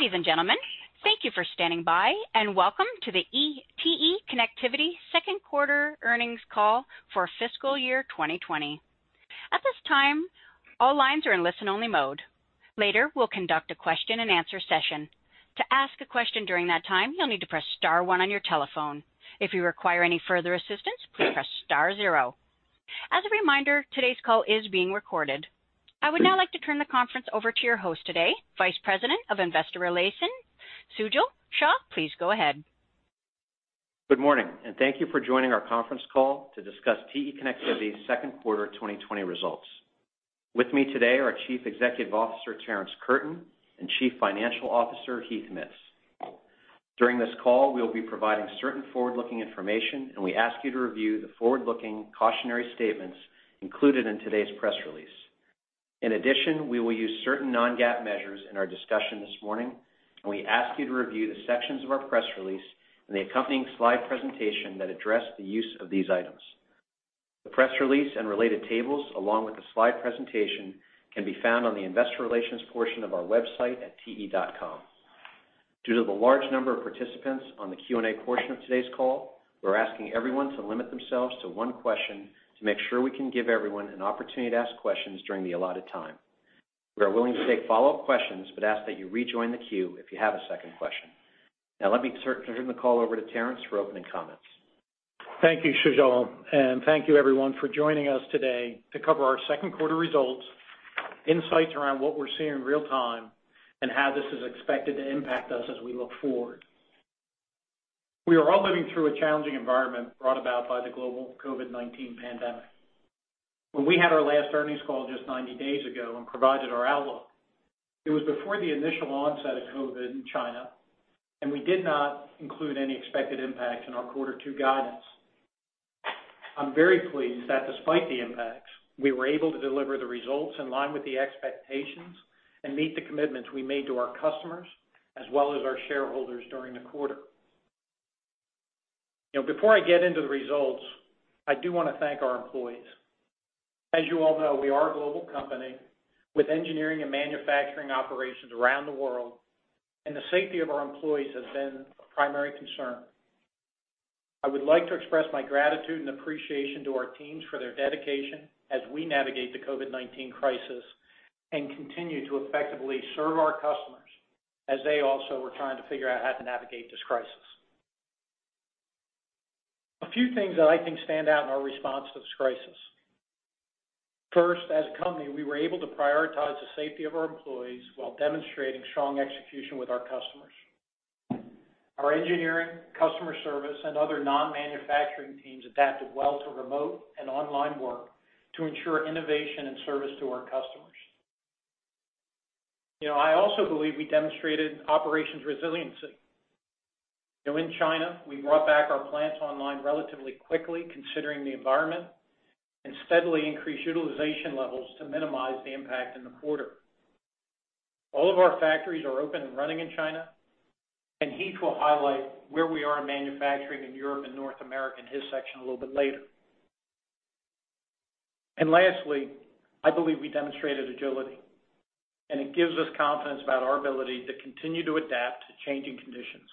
Ladies and gentlemen, thank you for standing by, and welcome to the TE Connectivity Second Quarter earnings call for fiscal year 2020. At this time, all lines are in listen-only mode. Later, we'll conduct a question-and-answer session. To ask a question during that time, you'll need to press star one on your telephone. If you require any further assistance, please press star zero. As a reminder, today's call is being recorded. I would now like to turn the conference over to your host today, Vice President of Investor Relations, Sujal Shah. Please go ahead. Good morning, and thank you for joining our conference call to discuss TE Connectivity's second quarter 2020 results. With me today are Chief Executive Officer Terrence Curtin and Chief Financial Officer Heath Mitts. During this call, we will be providing certain forward-looking information, and we ask you to review the forward-looking cautionary statements included in today's press release. In addition, we will use certain non-GAAP measures in our discussion this morning, and we ask you to review the sections of our press release and the accompanying slide presentation that address the use of these items. The press release and related tables, along with the slide presentation, can be found on the investor relations portion of our website at TE.com. Due to the large number of participants on the Q and A portion of today's call, we're asking everyone to limit themselves to one question to make sure we can give everyone an opportunity to ask questions during the allotted time. We are willing to take follow-up questions, but ask that you rejoin the queue if you have a second question. Now, let me turn the call over to Terrence for opening comments. Thank you, Sujal, and thank you, everyone, for joining us today to cover our second quarter results, insights around what we're seeing in real time, and how this is expected to impact us as we look forward. We are all living through a challenging environment brought about by the global COVID-19 pandemic. When we had our last earnings call just 90 days ago and provided our outlook, it was before the initial onset of COVID in China, and we did not include any expected impact in our quarter two guidance. I'm very pleased that despite the impacts, we were able to deliver the results in line with the expectations and meet the commitments we made to our customers as well as our shareholders during the quarter. Before I get into the results, I do want to thank our employees. As you all know, we are a global company with engineering and manufacturing operations around the world, and the safety of our employees has been a primary concern. I would like to express my gratitude and appreciation to our teams for their dedication as we navigate the COVID-19 crisis and continue to effectively serve our customers as they also are trying to figure out how to navigate this crisis. A few things that I think stand out in our response to this crisis. First, as a company, we were able to prioritize the safety of our employees while demonstrating strong execution with our customers. Our engineering, customer service, and other non-manufacturing teams adapted well to remote and online work to ensure innovation and service to our customers. I also believe we demonstrated operations resiliency. In China, we brought back our plants online relatively quickly, considering the environment, and steadily increased utilization levels to minimize the impact in the quarter. All of our factories are open and running in China, and Heath will highlight where we are in manufacturing in Europe and North America in his section a little bit later. Lastly, I believe we demonstrated agility, and it gives us confidence about our ability to continue to adapt to changing conditions.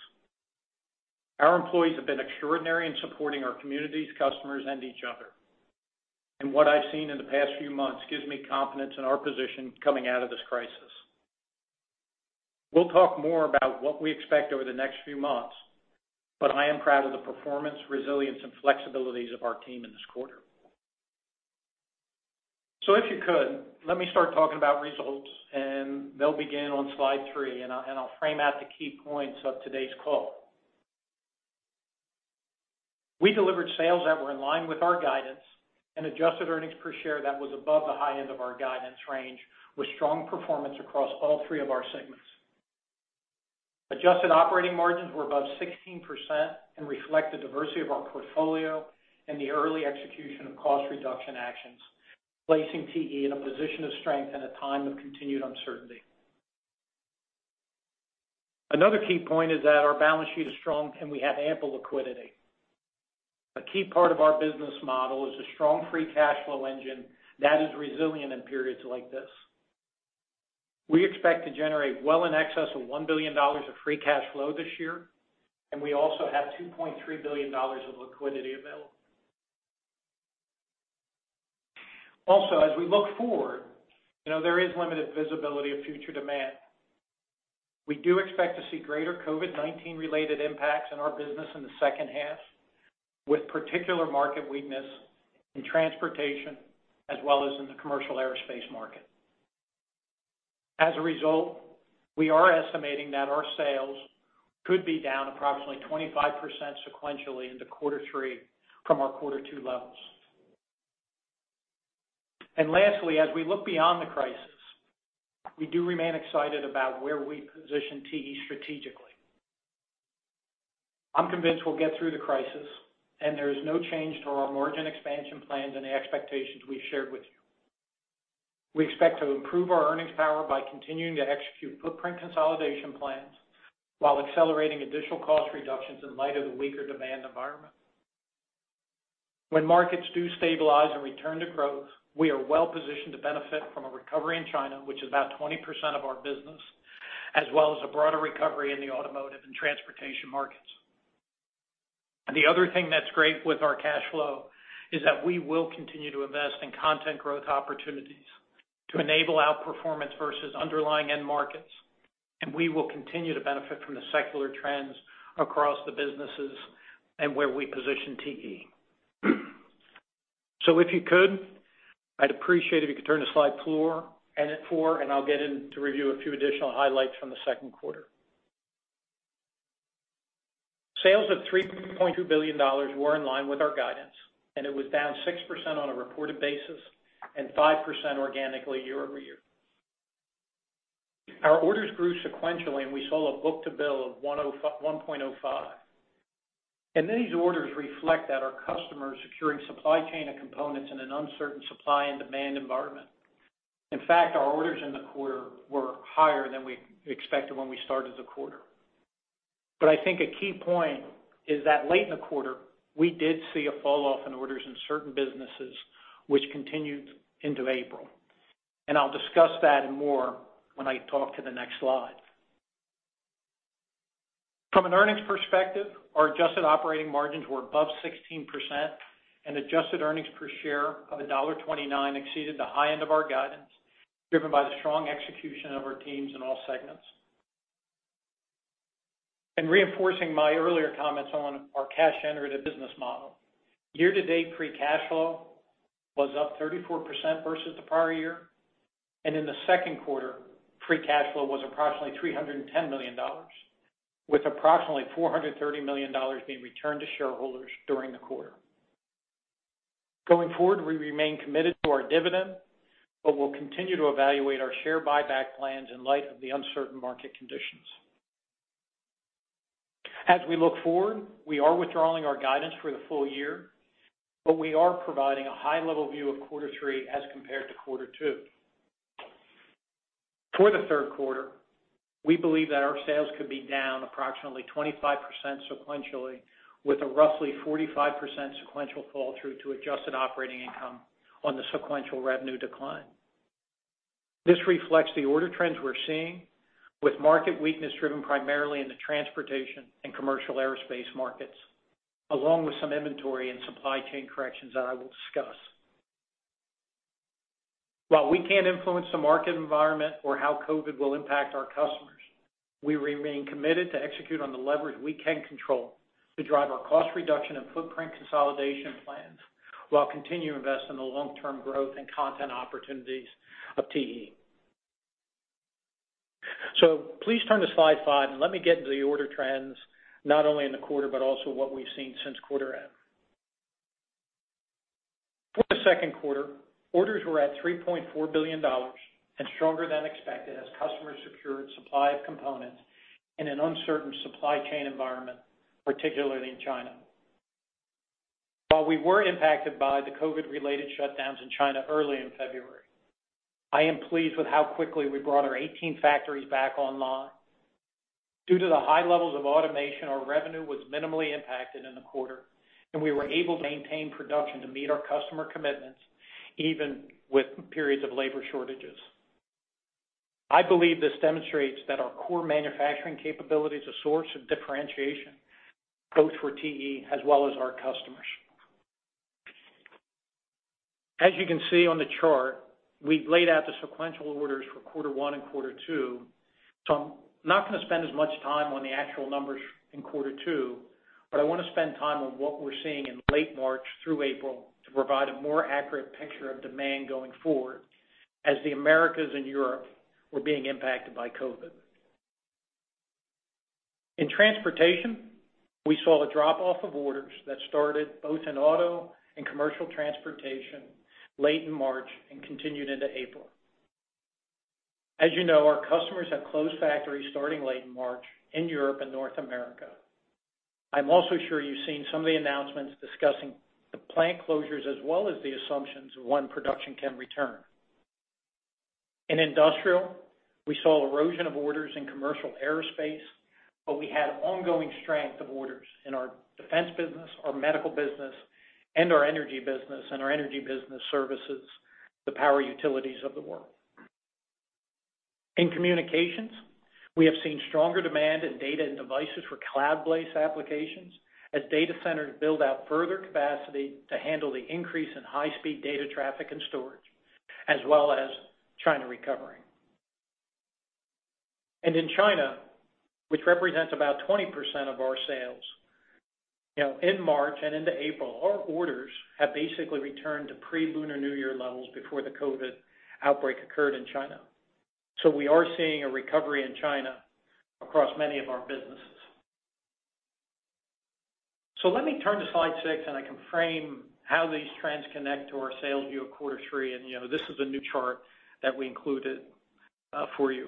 Our employees have been extraordinary in supporting our communities, customers, and each other, and what I've seen in the past few months gives me confidence in our position coming out of this crisis. We'll talk more about what we expect over the next few months, but I am proud of the performance, resilience, and flexibilities of our team in this quarter. So if you could, let me start talking about results, and they'll begin on slide three, and I'll frame out the key points of today's call. We delivered sales that were in line with our guidance and adjusted earnings per share that was above the high end of our guidance range, with strong performance across all three of our segments. Adjusted operating margins were above 16% and reflect the diversity of our portfolio and the early execution of cost reduction actions, placing TE in a position of strength at a time of continued uncertainty. Another key point is that our balance sheet is strong, and we have ample liquidity. A key part of our business model is a strong free cash flow engine that is resilient in periods like this. We expect to generate well in excess of $1 billion of free cash flow this year, and we also have $2.3 billion of liquidity available. Also, as we look forward, there is limited visibility of future demand. We do expect to see greater COVID-19-related impacts in our business in the second half, with particular market weakness in transportation as well as in the commercial aerospace market. As a result, we are estimating that our sales could be down approximately 25% sequentially into quarter three from our quarter two levels. And lastly, as we look beyond the crisis, we do remain excited about where we position TE strategically. I'm convinced we'll get through the crisis, and there is no change to our margin expansion plans and the expectations we've shared with you. We expect to improve our earnings power by continuing to execute footprint consolidation plans while accelerating additional cost reductions in light of the weaker demand environment. When markets do stabilize and return to growth, we are well positioned to benefit from a recovery in China, which is about 20% of our business, as well as a broader recovery in the automotive and transportation markets. The other thing that's great with our cash flow is that we will continue to invest in content growth opportunities to enable outperformance versus underlying end markets, and we will continue to benefit from the secular trends across the businesses and where we position TE. So if you could, I'd appreciate it if you could turn the slide four, and I'll get in to review a few additional highlights from the second quarter. Sales of $3.2 billion were in line with our guidance, and it was down 6% on a reported basis and 5% organically year over year. Our orders grew sequentially, and we sold a book-to-bill of 1.05. And these orders reflect that our customers are securing supply chain and components in an uncertain supply and demand environment. In fact, our orders in the quarter were higher than we expected when we started the quarter. But I think a key point is that late in the quarter, we did see a fall off in orders in certain businesses, which continued into April. And I'll discuss that and more when I talk to the next slide. From an earnings perspective, our adjusted operating margins were above 16%, and adjusted earnings per share of $1.29 exceeded the high end of our guidance, driven by the strong execution of our teams in all segments. And reinforcing my earlier comments on our cash-generated business model, year-to-date free cash flow was up 34% versus the prior year, and in the second quarter, free cash flow was approximately $310 million, with approximately $430 million being returned to shareholders during the quarter. Going forward, we remain committed to our dividend, but we'll continue to evaluate our share buyback plans in light of the uncertain market conditions. As we look forward, we are withdrawing our guidance for the full year, but we are providing a high-level view of quarter three as compared to quarter two. For the third quarter, we believe that our sales could be down approximately 25% sequentially, with a roughly 45% sequential fall-through to adjusted operating income on the sequential revenue decline. This reflects the order trends we're seeing, with market weakness driven primarily in the transportation and commercial aerospace markets, along with some inventory and supply chain corrections that I will discuss. While we can't influence the market environment or how COVID will impact our customers, we remain committed to execute on the leverage we can control to drive our cost reduction and footprint consolidation plans while continuing to invest in the long-term growth and content opportunities of TE. So please turn to slide five, and let me get into the order trends, not only in the quarter, but also what we've seen since quarter end. For the second quarter, orders were at $3.4 billion and stronger than expected as customers secured supply of components in an uncertain supply chain environment, particularly in China. While we were impacted by the COVID-related shutdowns in China early in February, I am pleased with how quickly we brought our 18 factories back online. Due to the high levels of automation, our revenue was minimally impacted in the quarter, and we were able to maintain production to meet our customer commitments, even with periods of labor shortages. I believe this demonstrates that our core manufacturing capabilities are a source of differentiation, both for TE as well as our customers. As you can see on the chart, we've laid out the sequential orders for quarter one and quarter two. So I'm not going to spend as much time on the actual numbers in quarter two, but I want to spend time on what we're seeing in late March through April to provide a more accurate picture of demand going forward as the Americas and Europe were being impacted by COVID. In transportation, we saw a drop off of orders that started both in auto and commercial transportation late in March and continued into April. As you know, our customers have closed factories starting late in March in Europe and North America. I'm also sure you've seen some of the announcements discussing the plant closures as well as the assumptions of when production can return. In Industrial, we saw erosion of orders in commercial aerospace, but we had ongoing strength of orders in our Defense business, our Medical business, and our Energy business, and our Energy business services, the power utilities of the world. In communications, we have seen stronger demand in Data and Devices for cloud-based applications as data centers build out further capacity to handle the increase in high-speed data traffic and storage, as well as China recovering, and in China, which represents about 20% of our sales, in March and into April, our orders have basically returned to pre-Lunar New Year levels before the COVID-19 outbreak occurred in China, so we are seeing a recovery in China across many of our businesses, so let me turn to slide six, and I can frame how these trends connect to our sales view of quarter three. And this is a new chart that we included for you.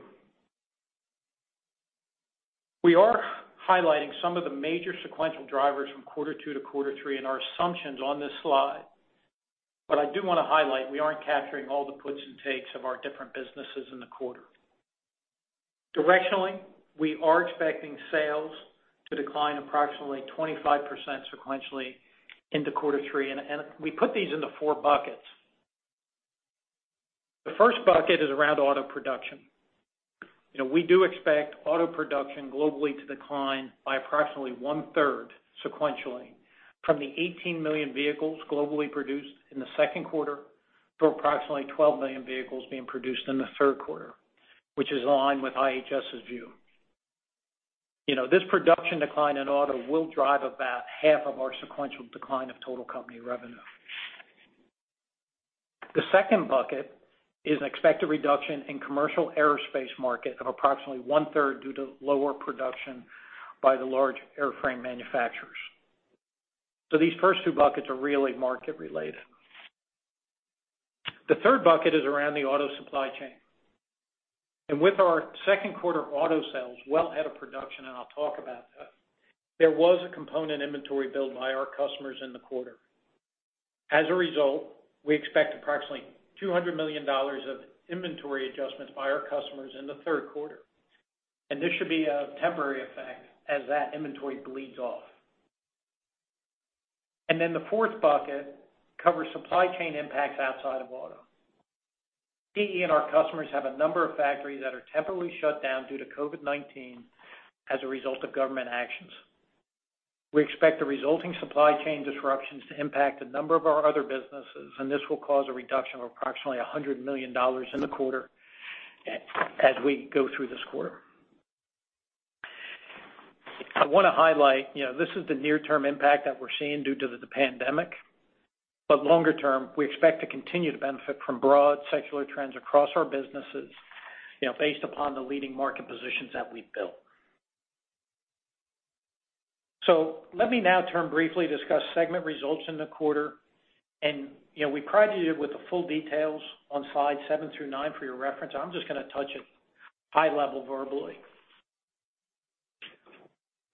We are highlighting some of the major sequential drivers from quarter two to quarter three in our assumptions on this slide, but I do want to highlight we aren't capturing all the puts and takes of our different businesses in the quarter. Directionally, we are expecting sales to decline approximately 25% sequentially into quarter three, and we put these into four buckets. The first bucket is around auto production. We do expect auto production globally to decline by approximately one-third sequentially from the 18 million vehicles globally produced in the second quarter to approximately 12 million vehicles being produced in the third quarter, which is aligned with IHS's view. This production decline in auto will drive about half of our sequential decline of total company revenue. The second bucket is an expected reduction in commercial aerospace market of approximately one-third due to lower production by the large airframe manufacturers, so these first two buckets are really market-related. The third bucket is around the auto supply chain, and with our second quarter auto sales well ahead of production, and I'll talk about that, there was a component inventory build by our customers in the quarter. As a result, we expect approximately $200 million of inventory adjustments by our customers in the third quarter, and this should be a temporary effect as that inventory bleeds off, and then the fourth bucket covers supply chain impacts outside of auto. TE and our customers have a number of factories that are temporarily shut down due to COVID-19 as a result of government actions. We expect the resulting supply chain disruptions to impact a number of our other businesses, and this will cause a reduction of approximately $100 million in the quarter as we go through this quarter. I want to highlight this is the near-term impact that we're seeing due to the pandemic, but longer term, we expect to continue to benefit from broad secular trends across our businesses based upon the leading market positions that we've built. Let me now turn briefly to discuss segment results in the quarter. We'll provide the full details on slides seven through nine for your reference. I'm just going to touch on it at a high level verbally.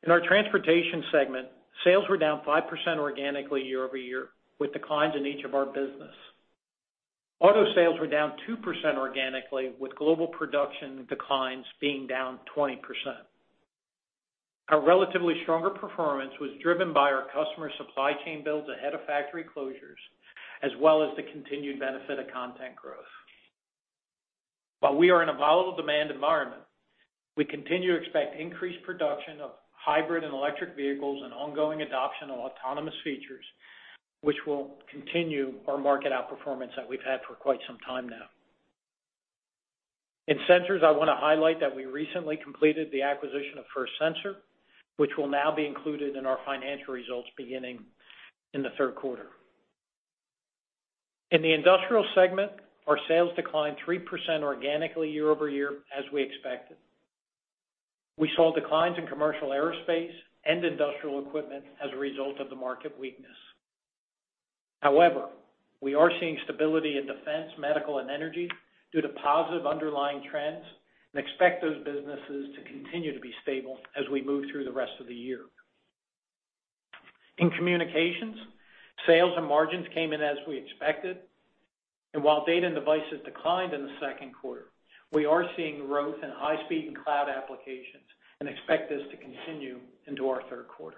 In our transportation segment, sales were down 5% organically year over year with declines in each of our businesses. Auto sales were down 2% organically, with global production declines being down 20%. Our relatively stronger performance was driven by our customer supply chain builds ahead of factory closures, as well as the continued benefit of content growth. While we are in a volatile demand environment, we continue to expect increased production of hybrid and electric vehicles and ongoing adoption of autonomous features, which will continue our market outperformance that we've had for quite some time now. In sensors, I want to highlight that we recently completed the acquisition of First Sensor, which will now be included in our financial results beginning in the third quarter. In the industrial segment, our sales declined 3% organically year over year as we expected. We saw declines in commercial aerospace and industrial equipment as a result of the market weakness. However, we are seeing stability in defense, medical, and energy due to positive underlying trends and expect those businesses to continue to be stable as we move through the rest of the year. In communications, sales and margins came in as we expected, and while data and devices declined in the second quarter, we are seeing growth in high-speed and cloud applications and expect this to continue into our third quarter,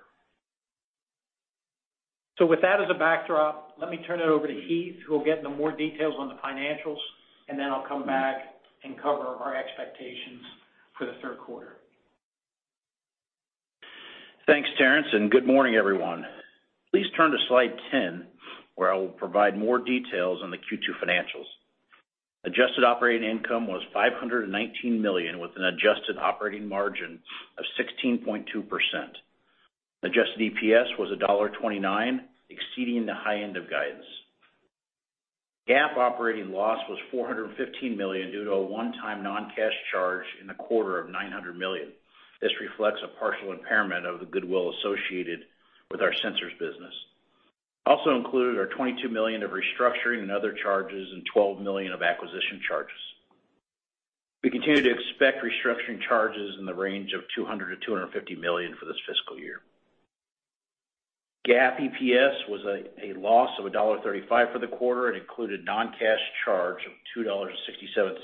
so with that as a backdrop, let me turn it over to Heath, who will get into more details on the financials, and then I'll come back and cover our expectations for the third quarter. Thanks, Terrence, and good morning, everyone. Please turn to slide 10, where I will provide more details on the Q2 financials. Adjusted operating income was $519 million, with an adjusted operating margin of 16.2%. Adjusted EPS was $1.29, exceeding the high end of guidance. GAAP operating loss was $415 million due to a one-time non-cash charge in the quarter of $900 million. This reflects a partial impairment of the goodwill associated with our sensors business. Also included are $22 million of restructuring and other charges and $12 million of acquisition charges. We continue to expect restructuring charges in the range of $200-$250 million for this fiscal year. GAAP EPS was a loss of $1.35 for the quarter. It included a non-cash charge of $2.67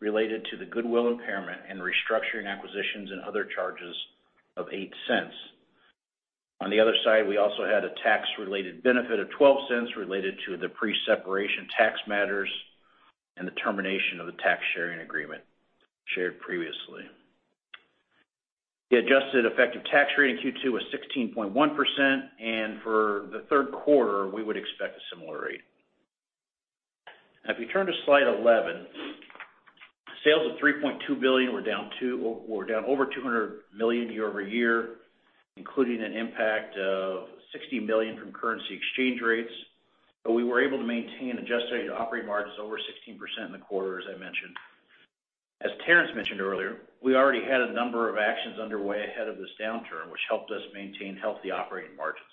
related to the goodwill impairment and restructuring acquisitions and other charges of $0.08. On the other side, we also had a tax-related benefit of $0.12 related to the pre-separation tax matters and the termination of the tax sharing agreement shared previously. The adjusted effective tax rate in Q2 was 16.1%, and for the third quarter, we would expect a similar rate. Now, if you turn to slide 11, sales of $3.2 billion were down over $200 million year over year, including an impact of $60 million from currency exchange rates. But we were able to maintain adjusted operating margins over 16% in the quarter, as I mentioned. As Terrence mentioned earlier, we already had a number of actions underway ahead of this downturn, which helped us maintain healthy operating margins.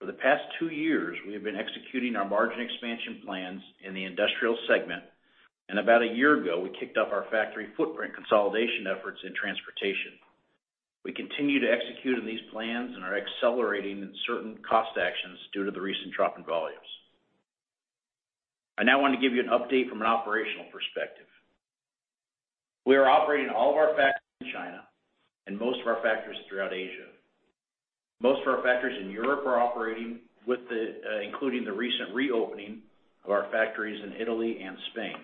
For the past two years, we have been executing our margin expansion plans in the industrial segment, and about a year ago, we kicked up our factory footprint consolidation efforts in transportation. We continue to execute on these plans and are accelerating certain cost actions due to the recent drop in volumes. I now want to give you an update from an operational perspective. We are operating all of our factories in China and most of our factories throughout Asia. Most of our factories in Europe are operating, including the recent reopening of our factories in Italy and Spain.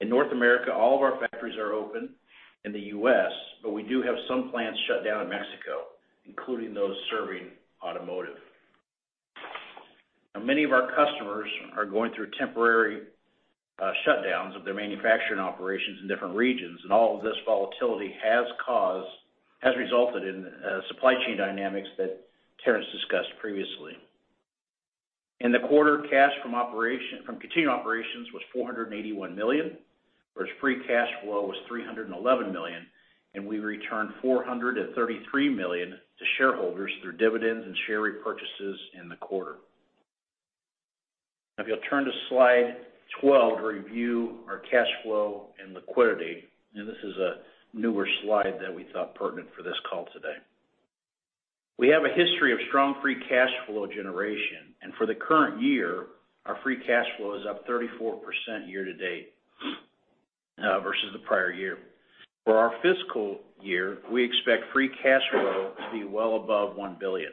In North America, all of our factories are open in the U.S., but we do have some plants shut down in Mexico, including those serving automotive. Now, many of our customers are going through temporary shutdowns of their manufacturing operations in different regions, and all of this volatility has resulted in supply chain dynamics that Terrence discussed previously. In the quarter, cash from continuing operations was $481 million, whereas free cash flow was $311 million, and we returned $433 million to shareholders through dividends and share repurchases in the quarter. Now, if you'll turn to slide 12 to review our cash flow and liquidity, and this is a newer slide that we thought pertinent for this call today. We have a history of strong free cash flow generation, and for the current year, our free cash flow is up 34% year to date versus the prior year. For our fiscal year, we expect free cash flow to be well above $1 billion.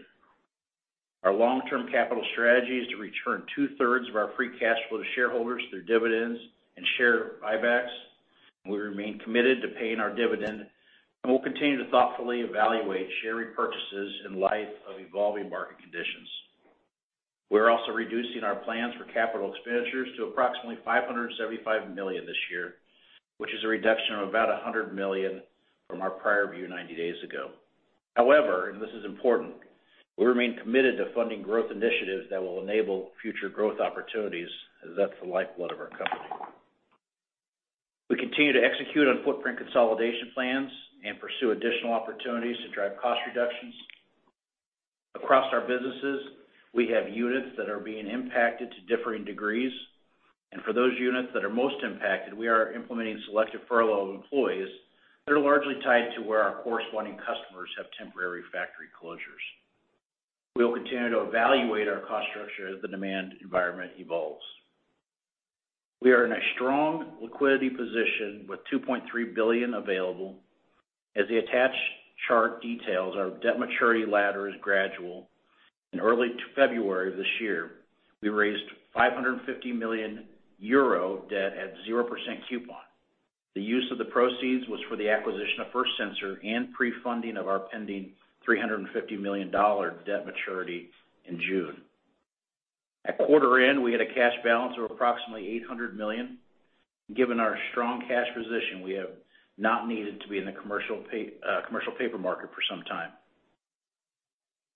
Our long-term capital strategy is to return two-thirds of our free cash flow to shareholders through dividends and share buybacks. We remain committed to paying our dividend and will continue to thoughtfully evaluate share repurchases in light of evolving market conditions. We're also reducing our plans for capital expenditures to approximately $575 million this year, which is a reduction of about $100 million from our prior view 90 days ago. However, and this is important, we remain committed to funding growth initiatives that will enable future growth opportunities, as that's the lifeblood of our company. We continue to execute on footprint consolidation plans and pursue additional opportunities to drive cost reductions. Across our businesses, we have units that are being impacted to differing degrees. And for those units that are most impacted, we are implementing selective furlough of employees that are largely tied to where our corresponding customers have temporary factory closures. We will continue to evaluate our cost structure as the demand environment evolves. We are in a strong liquidity position with $2.3 billion available. As the attached chart details, our debt maturity ladder is gradual. In early February of this year, we raised 550 million euro debt at 0% coupon. The use of the proceeds was for the acquisition of First Sensor and pre-funding of our pending $350 million debt maturity in June. At quarter end, we had a cash balance of approximately $800 million. Given our strong cash position, we have not needed to be in the commercial paper market for some time.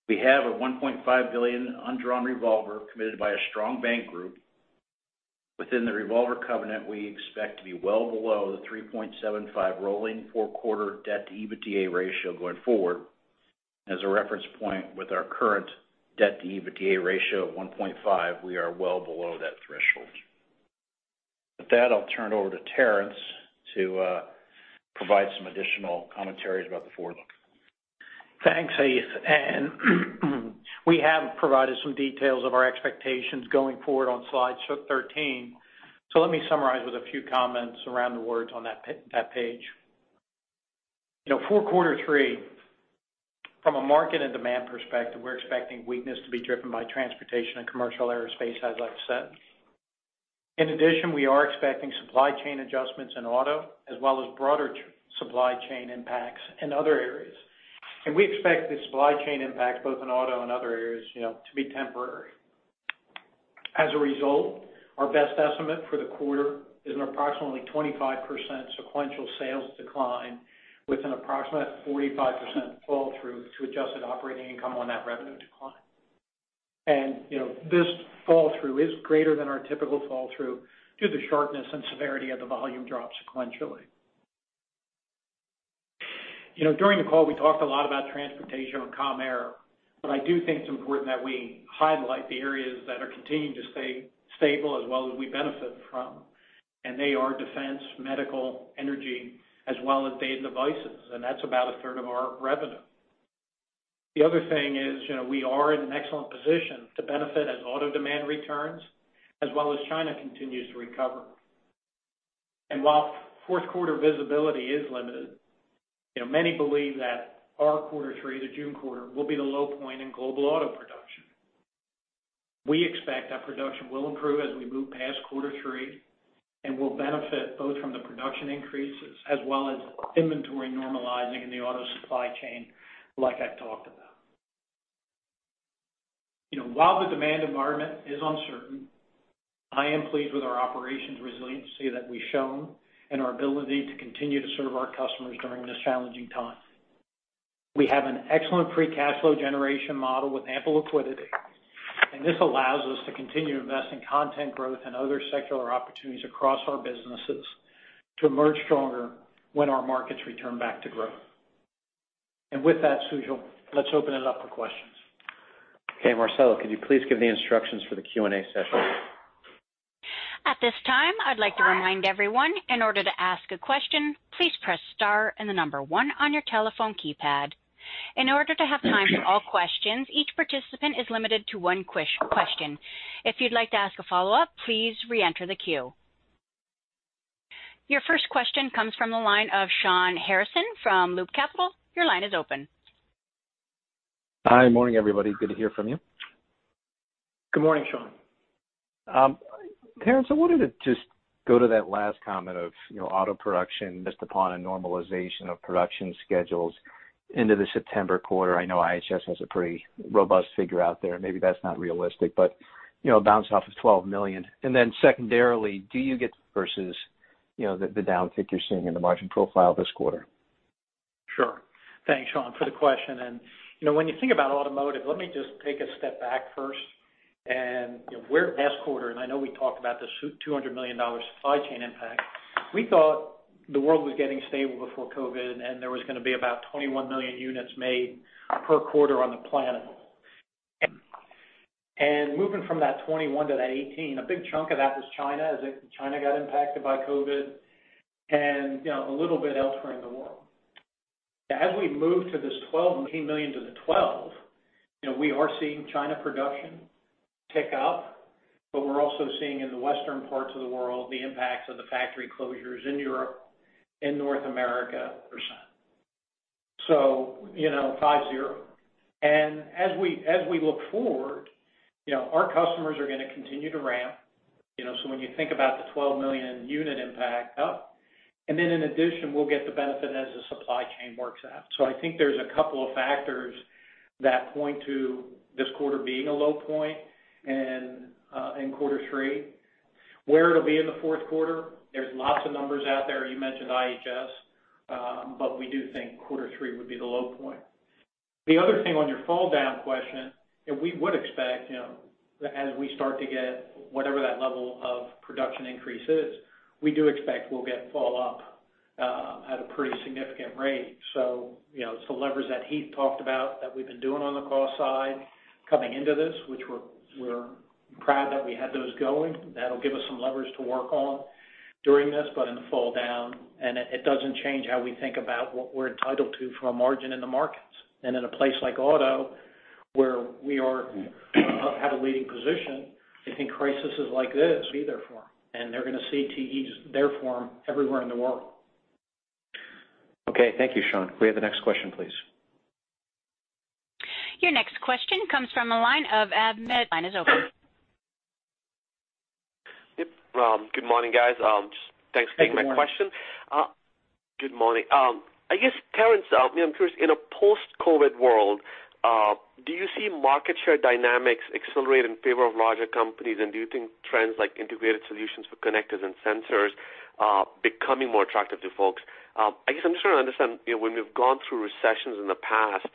We have a $1.5 billion undrawn revolver committed by a strong bank group. Within the revolver covenant, we expect to be well below the 3.75 rolling four-quarter debt-to-EBITDA ratio going forward. As a reference point, with our current debt-to-EBITDA ratio of 1.5, we are well below that threshold. With that, I'll turn it over to Terrence to provide some additional commentaries about the forward look. Thanks, Heath. And we have provided some details of our expectations going forward on slide 13. So let me summarize with a few comments around the words on that page. For quarter three, from a market and demand perspective, we're expecting weakness to be driven by transportation and commercial aerospace, as I've said. In addition, we are expecting supply chain adjustments in auto, as well as broader supply chain impacts in other areas. And we expect the supply chain impact, both in auto and other areas, to be temporary. As a result, our best estimate for the quarter is an approximately 25% sequential sales decline with an approximate 45% fall-through to adjusted operating income on that revenue decline. And this fall-through is greater than our typical fall-through due to the sharpness and severity of the volume drop sequentially. During the call, we talked a lot about transportation and Comm Air, but I do think it's important that we highlight the areas that are continuing to stay stable as well as we benefit from. And they are defense, medical, energy, as well as Data and Devices, and that's about a third of our revenue. The other thing is we are in an excellent position to benefit as auto demand returns as well as China continues to recover. And while fourth quarter visibility is limited, many believe that our quarter three, the June quarter, will be the low point in global auto production. We expect that production will improve as we move past quarter three and will benefit both from the production increases as well as inventory normalizing in the auto supply chain, like I've talked about. While the demand environment is uncertain, I am pleased with our operations resiliency that we've shown and our ability to continue to serve our customers during this challenging time. We have an excellent free cash flow generation model with ample liquidity, and this allows us to continue investing in content growth and other secular opportunities across our businesses to emerge stronger when our markets return back to growth. And with that, Sujal, let's open it up for questions. Okay, Marcello, could you please give the instructions for the Q&A session? At this time, I'd like to remind everyone, in order to ask a question, please press star and the number one on your telephone keypad. In order to have time for all questions, each participant is limited to one question. If you'd like to ask a follow-up, please re-enter the queue. Your first question comes from the line of Shawn Harrison from Loop Capital. Your line is open. Hi, morning, everybody. Good to hear from you. Good morning, Shawn. Terrence, I wanted to just go to that last comment of auto production missed upon a normalization of production schedules into the September quarter. I know IHS has a pretty robust figure out there. Maybe that's not realistic, but a bounce off of $12 million. And then secondarily, do you get versus the downtick you're seeing in the margin profile this quarter? Sure. Thanks, Shawn, for the question. When you think about automotive, let me just take a step back first. Last quarter, I know we talked about this $200 million supply chain impact. We thought the world was getting stable before COVID, and there was going to be about 21 million units made per quarter on the planet. Moving from that 21 to that 18, a big chunk of that was China, as China got impacted by COVID, and a little bit elsewhere in the world. As we move to this 12 million to the 12, we are seeing China production tick up, but we're also seeing in the western parts of the world the impacts of the factory closures in Europe and North America, 50%. As we look forward, our customers are going to continue to ramp. So when you think about the 12 million unit impact up, and then in addition, we'll get the benefit as the supply chain works out. So I think there's a couple of factors that point to this quarter being a low point in quarter three. Where it'll be in the fourth quarter, there's lots of numbers out there. You mentioned IHS, but we do think quarter three would be the low point. The other thing on your fall-down question, and we would expect that as we start to get whatever that level of production increase is, we do expect we'll get fall-up at a pretty significant rate. So it's the levers that Heath talked about that we've been doing on the cost side coming into this, which we're proud that we had those going. That'll give us some levers to work on during this, but in the fall-down. It doesn't change how we think about what we're entitled to from a margin in the markets. In a place like auto, where we have a leading position, I think crises like this, we'll be there for them, and they're going to see TE's there for them everywhere in the world. Okay, thank you, Shawn. We have the next question, please. Your next question comes from a line of Amit Daryanani. Line is open. Yep. Good morning, guys. Thanks for taking my question. Good morning. Good morning. I guess, Terrence, I'm curious, in a post-COVID world, do you see market share dynamics accelerate in favor of larger companies? And do you think trends like integrated solutions for connectors and sensors becoming more attractive to folks? I guess I'm just trying to understand, when we've gone through recessions in the past,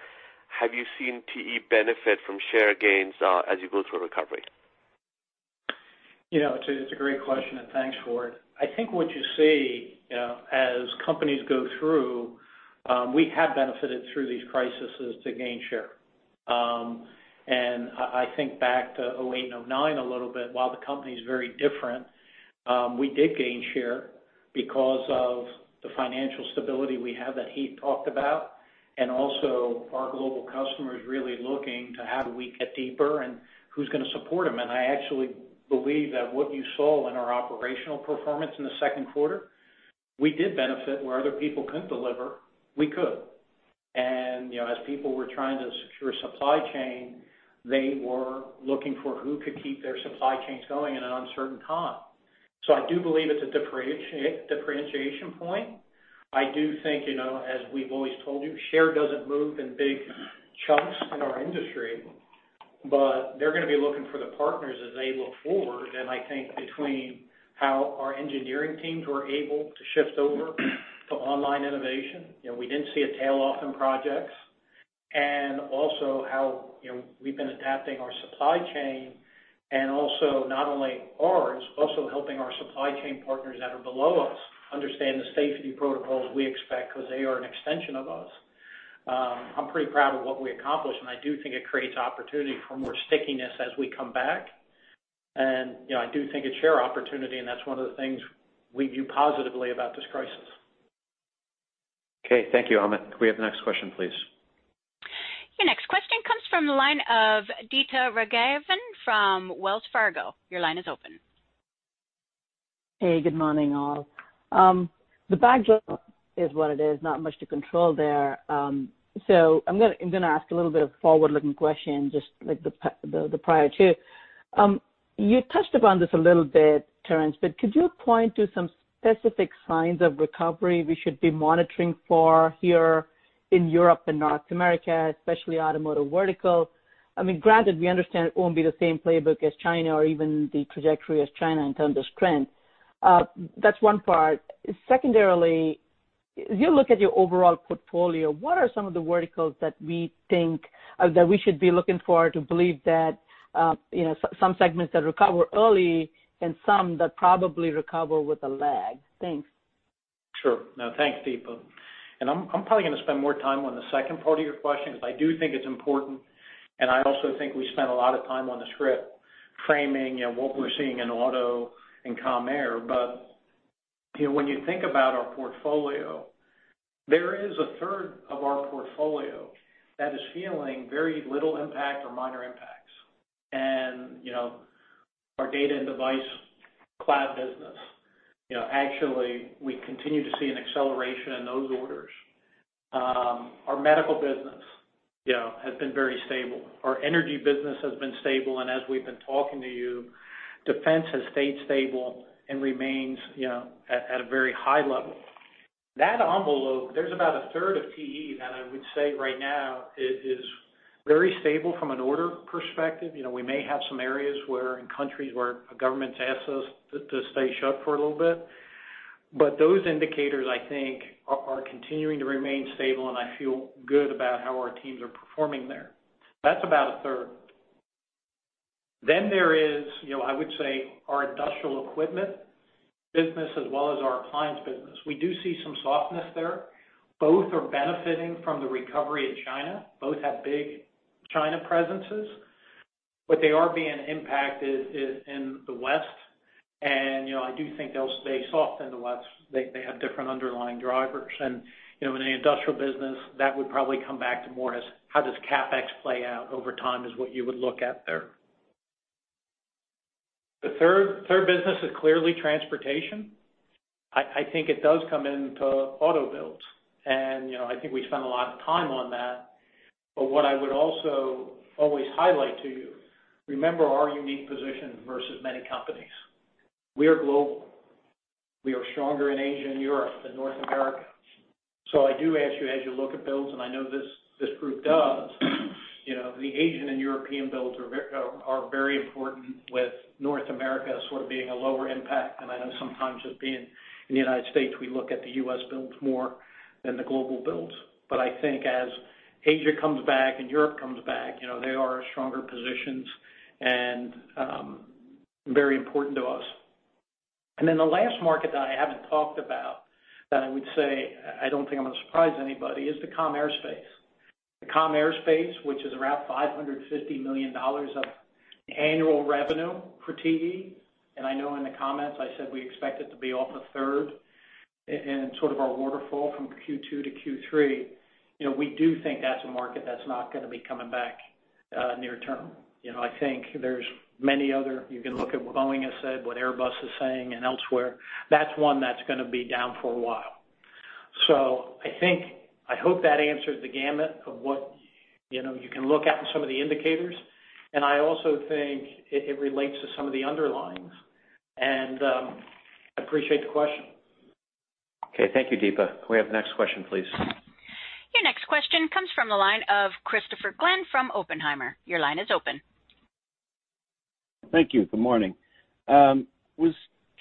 have you seen TE benefit from share gains as you go through a recovery? It's a great question, and thanks for it. I think what you see as companies go through, we have benefited through these crises to gain share, and I think back to 2008 and 2009 a little bit, while the company's very different, we did gain share because of the financial stability we have that Heath talked about, and also our global customers really looking to how do we get deeper and who's going to support them. And I actually believe that what you saw in our operational performance in the second quarter, we did benefit, where other people couldn't deliver, we could, and as people were trying to secure supply chain, they were looking for who could keep their supply chains going in an uncertain time, so I do believe it's a differentiation point. I do think, as we've always told you, share doesn't move in big chunks in our industry, but they're going to be looking for the partners as they look forward. And I think between how our engineering teams were able to shift over to online innovation, we didn't see a tail off in projects, and also how we've been adapting our supply chain, and also not only ours, also helping our supply chain partners that are below us understand the safety protocols we expect because they are an extension of us. I'm pretty proud of what we accomplished, and I do think it creates opportunity for more stickiness as we come back. And I do think it's share opportunity, and that's one of the things we view positively about this crisis. Okay, thank you, Amit. Can we have the next question, please? Your next question comes from the line of Deepa Raghavan from Wells Fargo. Your line is open. Hey, good morning, all. The backdrop is what it is. Not much to control there. So I'm going to ask a little bit of forward-looking questions, just like the prior two. You touched upon this a little bit, Terrence, but could you point to some specific signs of recovery we should be monitoring for here in Europe and North America, especially automotive vertical? I mean, granted, we understand it won't be the same playbook as China or even the trajectory as China in terms of strength. That's one part. Secondarily, as you look at your overall portfolio, what are some of the verticals that we think that we should be looking for to believe that some segments that recover early and some that probably recover with a lag? Thanks. Sure. No, thanks, Deepa. And I'm probably going to spend more time on the second part of your question because I do think it's important. And I also think we spent a lot of time on the script framing what we're seeing in auto and CommAir. But when you think about our portfolio, there is a third of our portfolio that is feeling very little impact or minor impacts. And our data and devices business, actually, we continue to see an acceleration in those orders. Our medical business has been very stable. Our energy business has been stable. And as we've been talking to you, defense has stayed stable and remains at a very high level. That envelope, there's about a third of TE that I would say right now is very stable from an order perspective. We may have some areas in countries where a government's asked us to stay shut for a little bit, but those indicators, I think, are continuing to remain stable, and I feel good about how our teams are performing there. That's about a third, then there is, I would say, our industrial equipment business as well as our appliance business. We do see some softness there. Both are benefiting from the recovery in China. Both have big China presences, but they are being impacted in the West, and I do think they'll stay soft in the West. They have different underlying drivers, and in the industrial business, that would probably come back to more as how does CapEx play out over time is what you would look at there. The third business is clearly transportation. I think it does come into auto builds. I think we spend a lot of time on that. What I would also always highlight to you, remember our unique position versus many companies. We are global. We are stronger in Asia and Europe than North America. I do ask you, as you look at builds, and I know this group does, the Asian and European builds are very important with North America sort of being a lower impact. I know sometimes just being in the United States, we look at the U.S. builds more than the global builds. I think as Asia comes back and Europe comes back, they are stronger positions and very important to us. Then the last market that I haven't talked about that I would say I don't think I'm going to surprise anybody is the commercial aerospace. The Commercial Aerospace, which is around $550 million of annual revenue for TE, and I know in the comments I said we expect it to be off a third in sort of our waterfall from Q2 to Q3. We do think that's a market that's not going to be coming back near term. I think there's many others you can look at what Boeing has said, what Airbus is saying, and elsewhere. That's one that's going to be down for a while, so I hope that answers the gamut of what you can look at in some of the indicators. And I also think it relates to some of the underlyings, and I appreciate the question. Okay, thank you, Deepa. Can we have the next question, please? Your next question comes from the line of Christopher Glynn from Oppenheimer. Your line is open. Thank you. Good morning. I was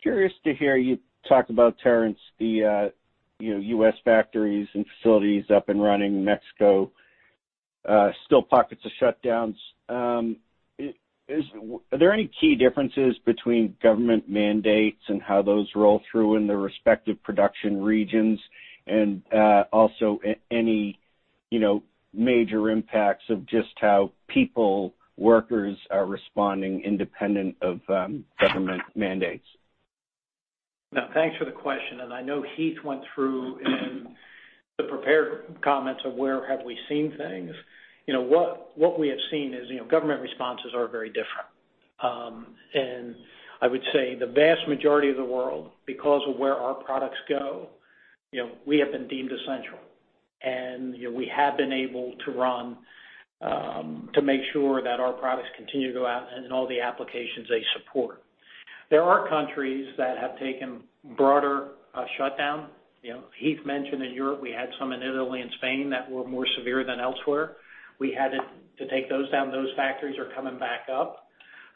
curious to hear you talk about, Terrence, the U.S. factories and facilities up and running, Mexico still pockets of shutdowns. Are there any key differences between government mandates and how those roll through in the respective production regions? And also any major impacts of just how people, workers are responding independent of government mandates? No, thanks for the question. And I know Heath went through in the prepared comments of where have we seen things. What we have seen is government responses are very different. And I would say the vast majority of the world, because of where our products go, we have been deemed essential. And we have been able to run to make sure that our products continue to go out in all the applications they support. There are countries that have taken broader shutdown. Heath mentioned in Europe, we had some in Italy and Spain that were more severe than elsewhere. We had to take those down. Those factories are coming back up.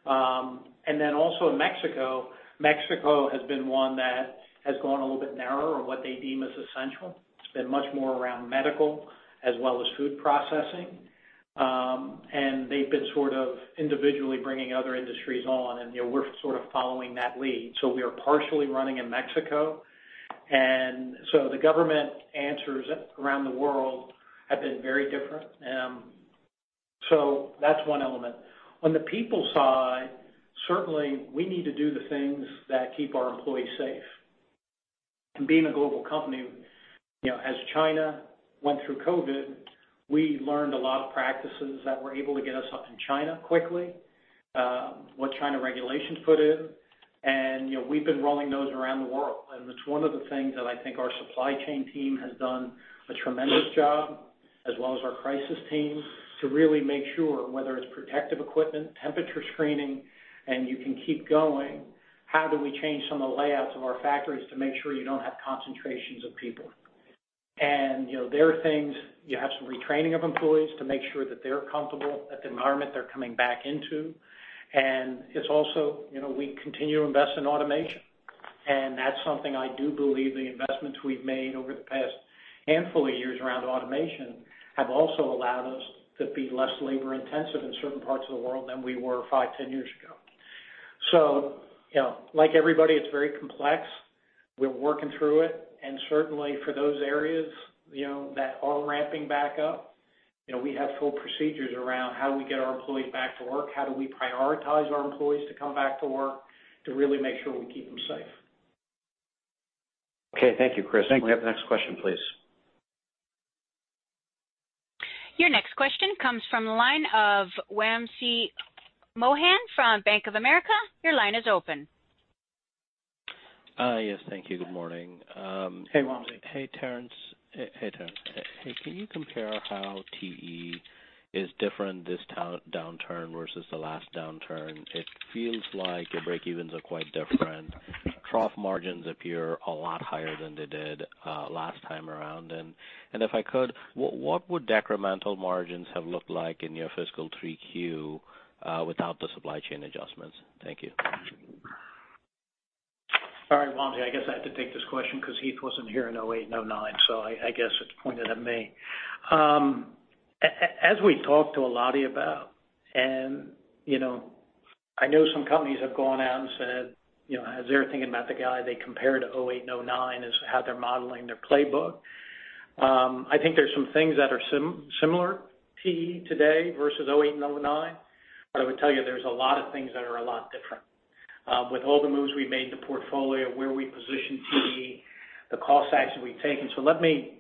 And then also in Mexico, Mexico has been one that has gone a little bit narrower on what they deem as essential. It's been much more around medical as well as food processing. And they've been sort of individually bringing other industries on. And we're sort of following that lead. So we are partially running in Mexico. And so the government answers around the world have been very different. So that's one element. On the people side, certainly we need to do the things that keep our employees safe. And being a global company, as China went through COVID, we learned a lot of practices that were able to get us in China quickly, what China regulations put in. And we've been rolling those around the world. It's one of the things that I think our supply chain team has done a tremendous job, as well as our crisis team, to really make sure whether it's protective equipment, temperature screening, and you can keep going, how do we change some of the layouts of our factories to make sure you don't have concentrations of people. There are things you have some retraining of employees to make sure that they're comfortable at the environment they're coming back into. It's also we continue to invest in automation. That's something I do believe the investments we've made over the past handful of years around automation have also allowed us to be less labor-intensive in certain parts of the world than we were five, 10 years ago. Like everybody, it's very complex. We're working through it. Certainly for those areas that are ramping back up, we have full procedures around how we get our employees back to work, how do we prioritize our employees to come back to work to really make sure we keep them safe. Okay, thank you, Chris. Can we have the next question, please? Your next question comes from the line of Wamsi Mohan from Bank of America. Your line is open. Yes, thank you. Good morning. Hey, Wamsi. Hey, Terrence. Hey, Terrence. Hey, can you compare how TE is different this downturn versus the last downturn? It feels like your break-evens are quite different. Trough margins appear a lot higher than they did last time around. And if I could, what would decremental margins have looked like in your fiscal 3Q without the supply chain adjustments? Thank you. Sorry, Wamsi. I guess I had to take this question because Heath wasn't here in 2008 and 2009, so I guess it's pointed at me. As we talked to a lot about, and I know some companies have gone out and said, "Is there a thing about the guide they compare to 2008 and 2009 as how they're modeling their playbook?" I think there's some things that are similar to TE today versus 2008 and 2009. But I would tell you there's a lot of things that are a lot different. With all the moves we've made in the portfolio, where we position TE, the cost actions we've taken. So let me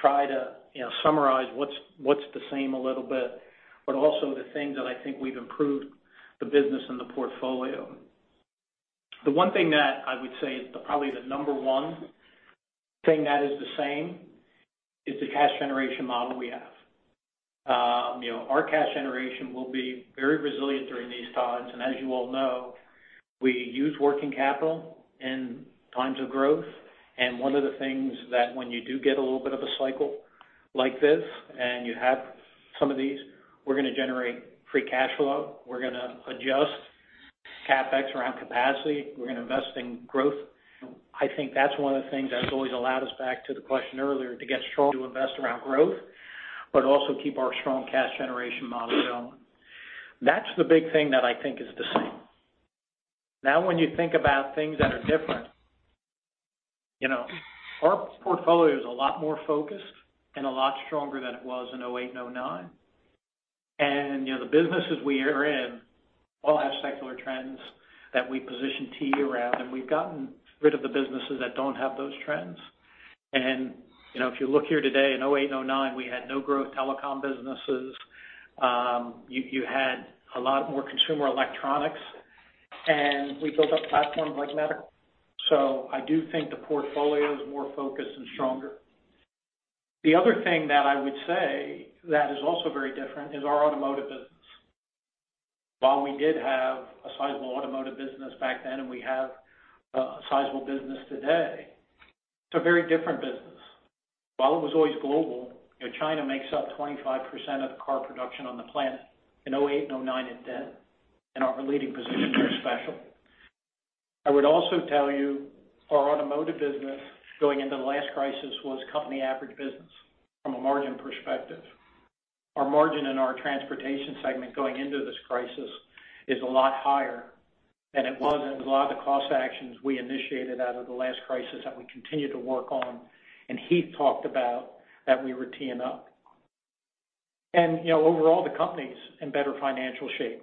try to summarize what's the same a little bit, but also the things that I think we've improved the business and the portfolio. The one thing that I would say is probably the number one thing that is the same is the cash generation model we have. Our cash generation will be very resilient during these times. And as you all know, we use working capital in times of growth. And one of the things that when you do get a little bit of a cycle like this and you have some of these, we're going to generate free cash flow. We're going to adjust CapEx around capacity. We're going to invest in growth. I think that's one of the things that's always allowed us back to the question earlier to get strong to invest around growth, but also keep our strong cash generation model going. That's the big thing that I think is the same. Now, when you think about things that are different, our portfolio is a lot more focused and a lot stronger than it was in 2008 and 2009. And the businesses we are in all have secular trends that we position TE around. And we've gotten rid of the businesses that don't have those trends. And if you look here today in 2008 and 2009, we had no growth telecom businesses. You had a lot more consumer electronics. And we built up platforms like medical. So I do think the portfolio is more focused and stronger. The other thing that I would say that is also very different is our automotive business. While we did have a sizable automotive business back then and we have a sizable business today, it's a very different business. While it was always global, China makes up 25% of the car production on the planet. In 2008 and 2009, it did. And our leading position was special. I would also tell you our automotive business going into the last crisis was company average business from a margin perspective. Our margin in our transportation segment going into this crisis is a lot higher than it was. It was a lot of the cost actions we initiated out of the last crisis that we continue to work on. And Heath talked about that we were teeing up. And overall, the company's in better financial shape.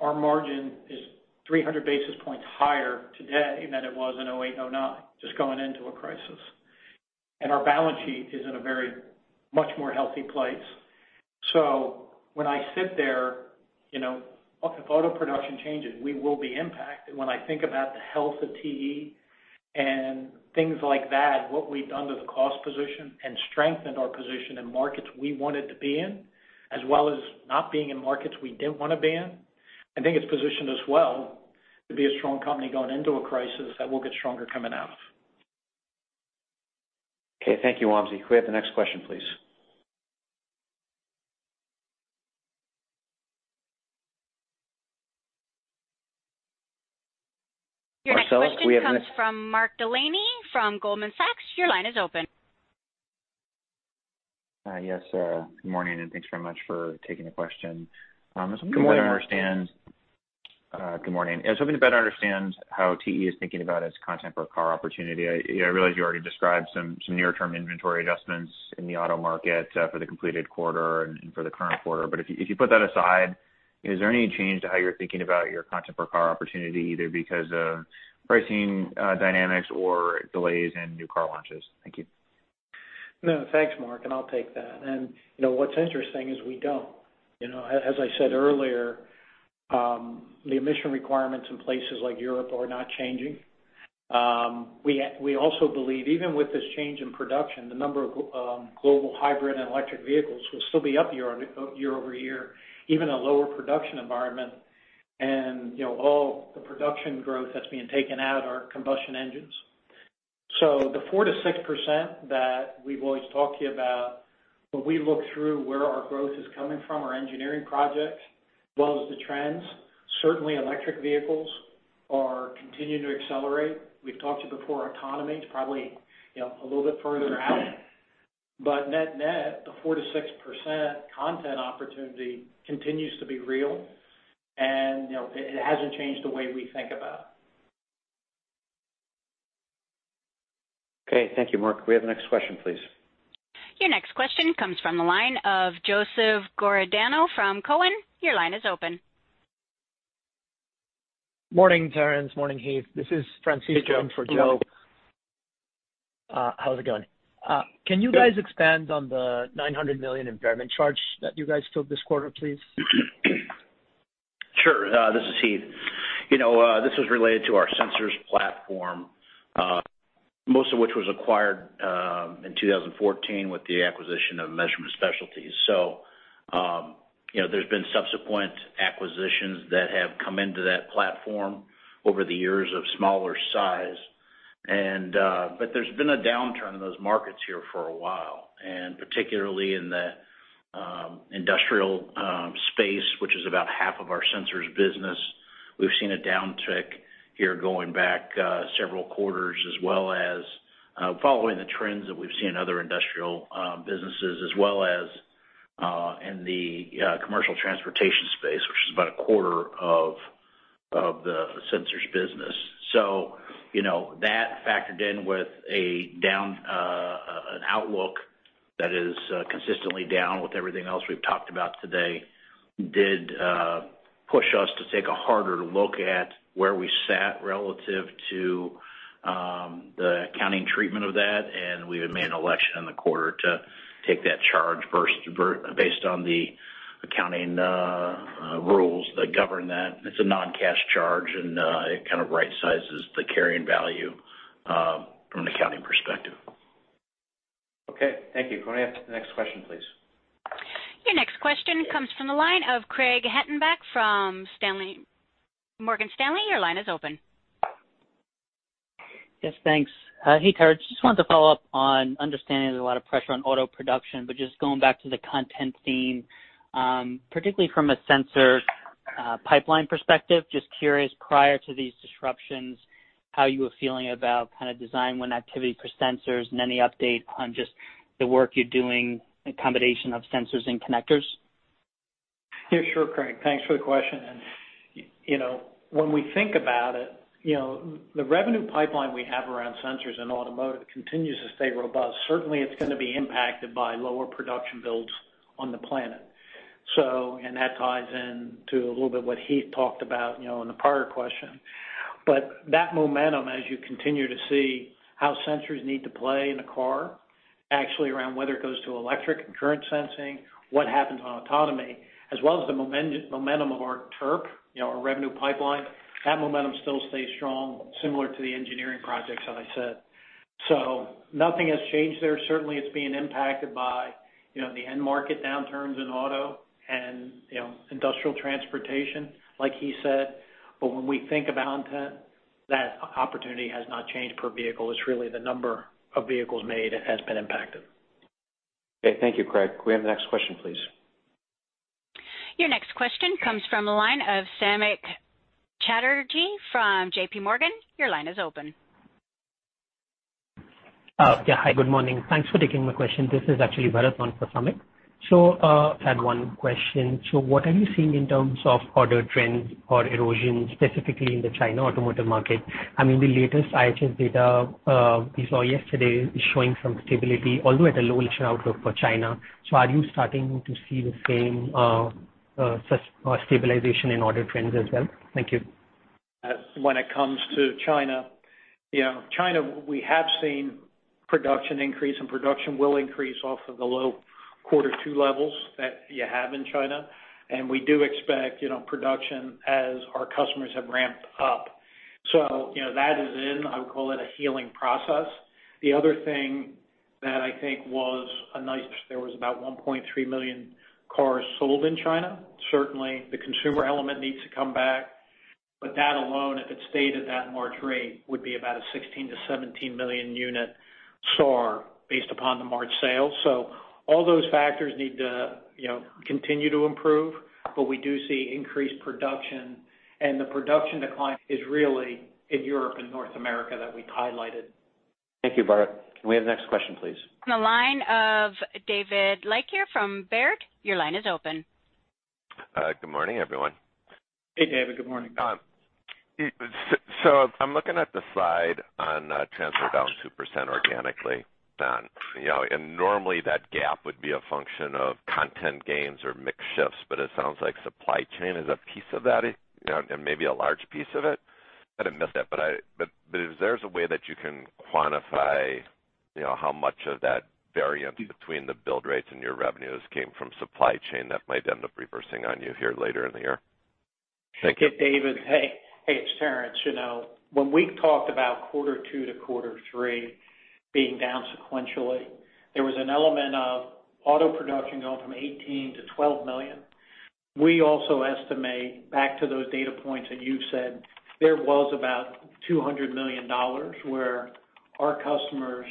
Our margin is 300 basis points higher today than it was in 2008 and 2009, just going into a crisis. And our balance sheet is in a very much more healthy place. So when I sit there, if auto production changes, we will be impacted. When I think about the health of TE and things like that, what we've done to the cost position and strengthened our position in markets we wanted to be in, as well as not being in markets we didn't want to be in, I think it's positioned us well to be a strong company going into a crisis that we'll get stronger coming out of. Okay, thank you, Wamsi. Can we have the next question, please? Your next question comes from Mark Delaney from Goldman Sachs. Your line is open. Yes, sir. Good morning. And thanks very much for taking the question. I was hoping to better understand. Good morning. Good morning. I was hoping to better understand how TE is thinking about its content per car opportunity. I realize you already described some near-term inventory adjustments in the auto market for the completed quarter and for the current quarter. But if you put that aside, is there any change to how you're thinking about your content per car opportunity, either because of pricing dynamics or delays and new car launches? Thank you. No, thanks, Mark. And I'll take that. And what's interesting is we don't. As I said earlier, the emission requirements in places like Europe are not changing. We also believe even with this change in production, the number of global hybrid and electric vehicles will still be up year over year, even a lower production environment. And all the production growth that's being taken out are combustion engines. So the 4%-6% that we've always talked to you about, when we look through where our growth is coming from, our engineering projects, as well as the trends, certainly electric vehicles are continuing to accelerate. We've talked to you before, autonomy is probably a little bit further out. But net net, the 4%-6% content opportunity continues to be real. And it hasn't changed the way we think about it. Okay, thank you, Mark. Can we have the next question, please? Your next question comes from the line of Joseph Giordano from Cowen. Your line is open. Morning, Terrence. Morning, Heath. This is Francisco for Joe. How's it going? Can you guys expand on the $900 million impairment charge that you guys took this quarter, please? Sure. This is Heath. This was related to our sensors platform, most of which was acquired in 2014 with the acquisition of Measurement Specialties. So there's been subsequent acquisitions that have come into that platform over the years of smaller size. But there's been a downturn in those markets here for a while, and particularly in the industrial space, which is about half of our sensors business. We've seen a downtick here going back several quarters, as well as following the trends that we've seen in other industrial businesses, as well as in the commercial transportation space, which is about a quarter of the sensors business. So that, factored in with an outlook that is consistently down with everything else we've talked about today, did push us to take a harder look at where we sat relative to the accounting treatment of that. We made an election in the quarter to take that charge based on the accounting rules that govern that. It's a non-cash charge, and it kind of right-sizes the carrying value from an accounting perspective. Okay, thank you. Can we have the next question, please? Your next question comes from the line of Craig Hettenbach from Morgan Stanley. Your line is open. Yes, thanks. Heath, I just wanted to follow up on understanding there's a lot of pressure on auto production. But just going back to the connectivity theme, particularly from a sensor pipeline perspective, just curious prior to these disruptions, how you were feeling about kind of design win activity for sensors and any update on just the work you're doing, a combination of sensors and connectors? Yeah, sure, Craig. Thanks for the question. And when we think about it, the revenue pipeline we have around sensors in automotive continues to stay robust. Certainly, it's going to be impacted by lower production builds on the planet. And that ties into a little bit what Heath talked about in the prior question. But that momentum, as you continue to see how sensors need to play in a car, actually around whether it goes to electric and current sensing, what happens on autonomy, as well as the momentum of our TERP, our revenue pipeline, that momentum still stays strong, similar to the engineering projects, as I said. So nothing has changed there. Certainly, it's being impacted by the end market downturns in auto and industrial transportation, like Heath said. But when we think about content, that opportunity has not changed per vehicle. It's really the number of vehicles made that has been impacted. Okay, thank you, Craig. Can we have the next question, please? Your next question comes from the line of Samik Chatterjee from J.P. Morgan. Your line is open. Yeah, hi, good morning. Thanks for taking my question. This is actually Bharat Daryani for Samik. So I had one question. So what are you seeing in terms of order trends or erosion, specifically in the China automotive market? I mean, the latest IHS data we saw yesterday is showing some stability, although at a low-ish outlook for China. So are you starting to see the same stabilization in order trends as well? Thank you. When it comes to China, China, we have seen production increase, and production will increase off of the low quarter two levels that you have in China. We do expect production as our customers have ramped up. So that is in, I would call it a healing process. The other thing that I think was a nice there was about 1.3 million cars sold in China. Certainly, the consumer element needs to come back. But that alone, if it stayed at that March rate, would be about a 16-17 million unit SAAR based upon the March sales. All those factors need to continue to improve. We do see increased production. The production decline is really in Europe and North America that we highlighted. Thank you, Bharat. Can we have the next question, please? The line of David Leiker from Baird. Your line is open. Good morning, everyone. Hey, David. Good morning. So I'm looking at the slide on Transportation down 2% organically. And normally, that gap would be a function of content gains or mix shifts. But it sounds like supply chain is a piece of that and maybe a large piece of it. I missed that. But if there's a way that you can quantify how much of that variance between the build rates and your revenues came from supply chain, that might end up reversing on you here later in the year. Thank you. Hey, David. Hey, it's Terrence. When we talked about quarter two to quarter three being down sequentially, there was an element of auto production going from 18 to 12 million. We also estimate back to those data points that you've said, there was about $200 million where our customers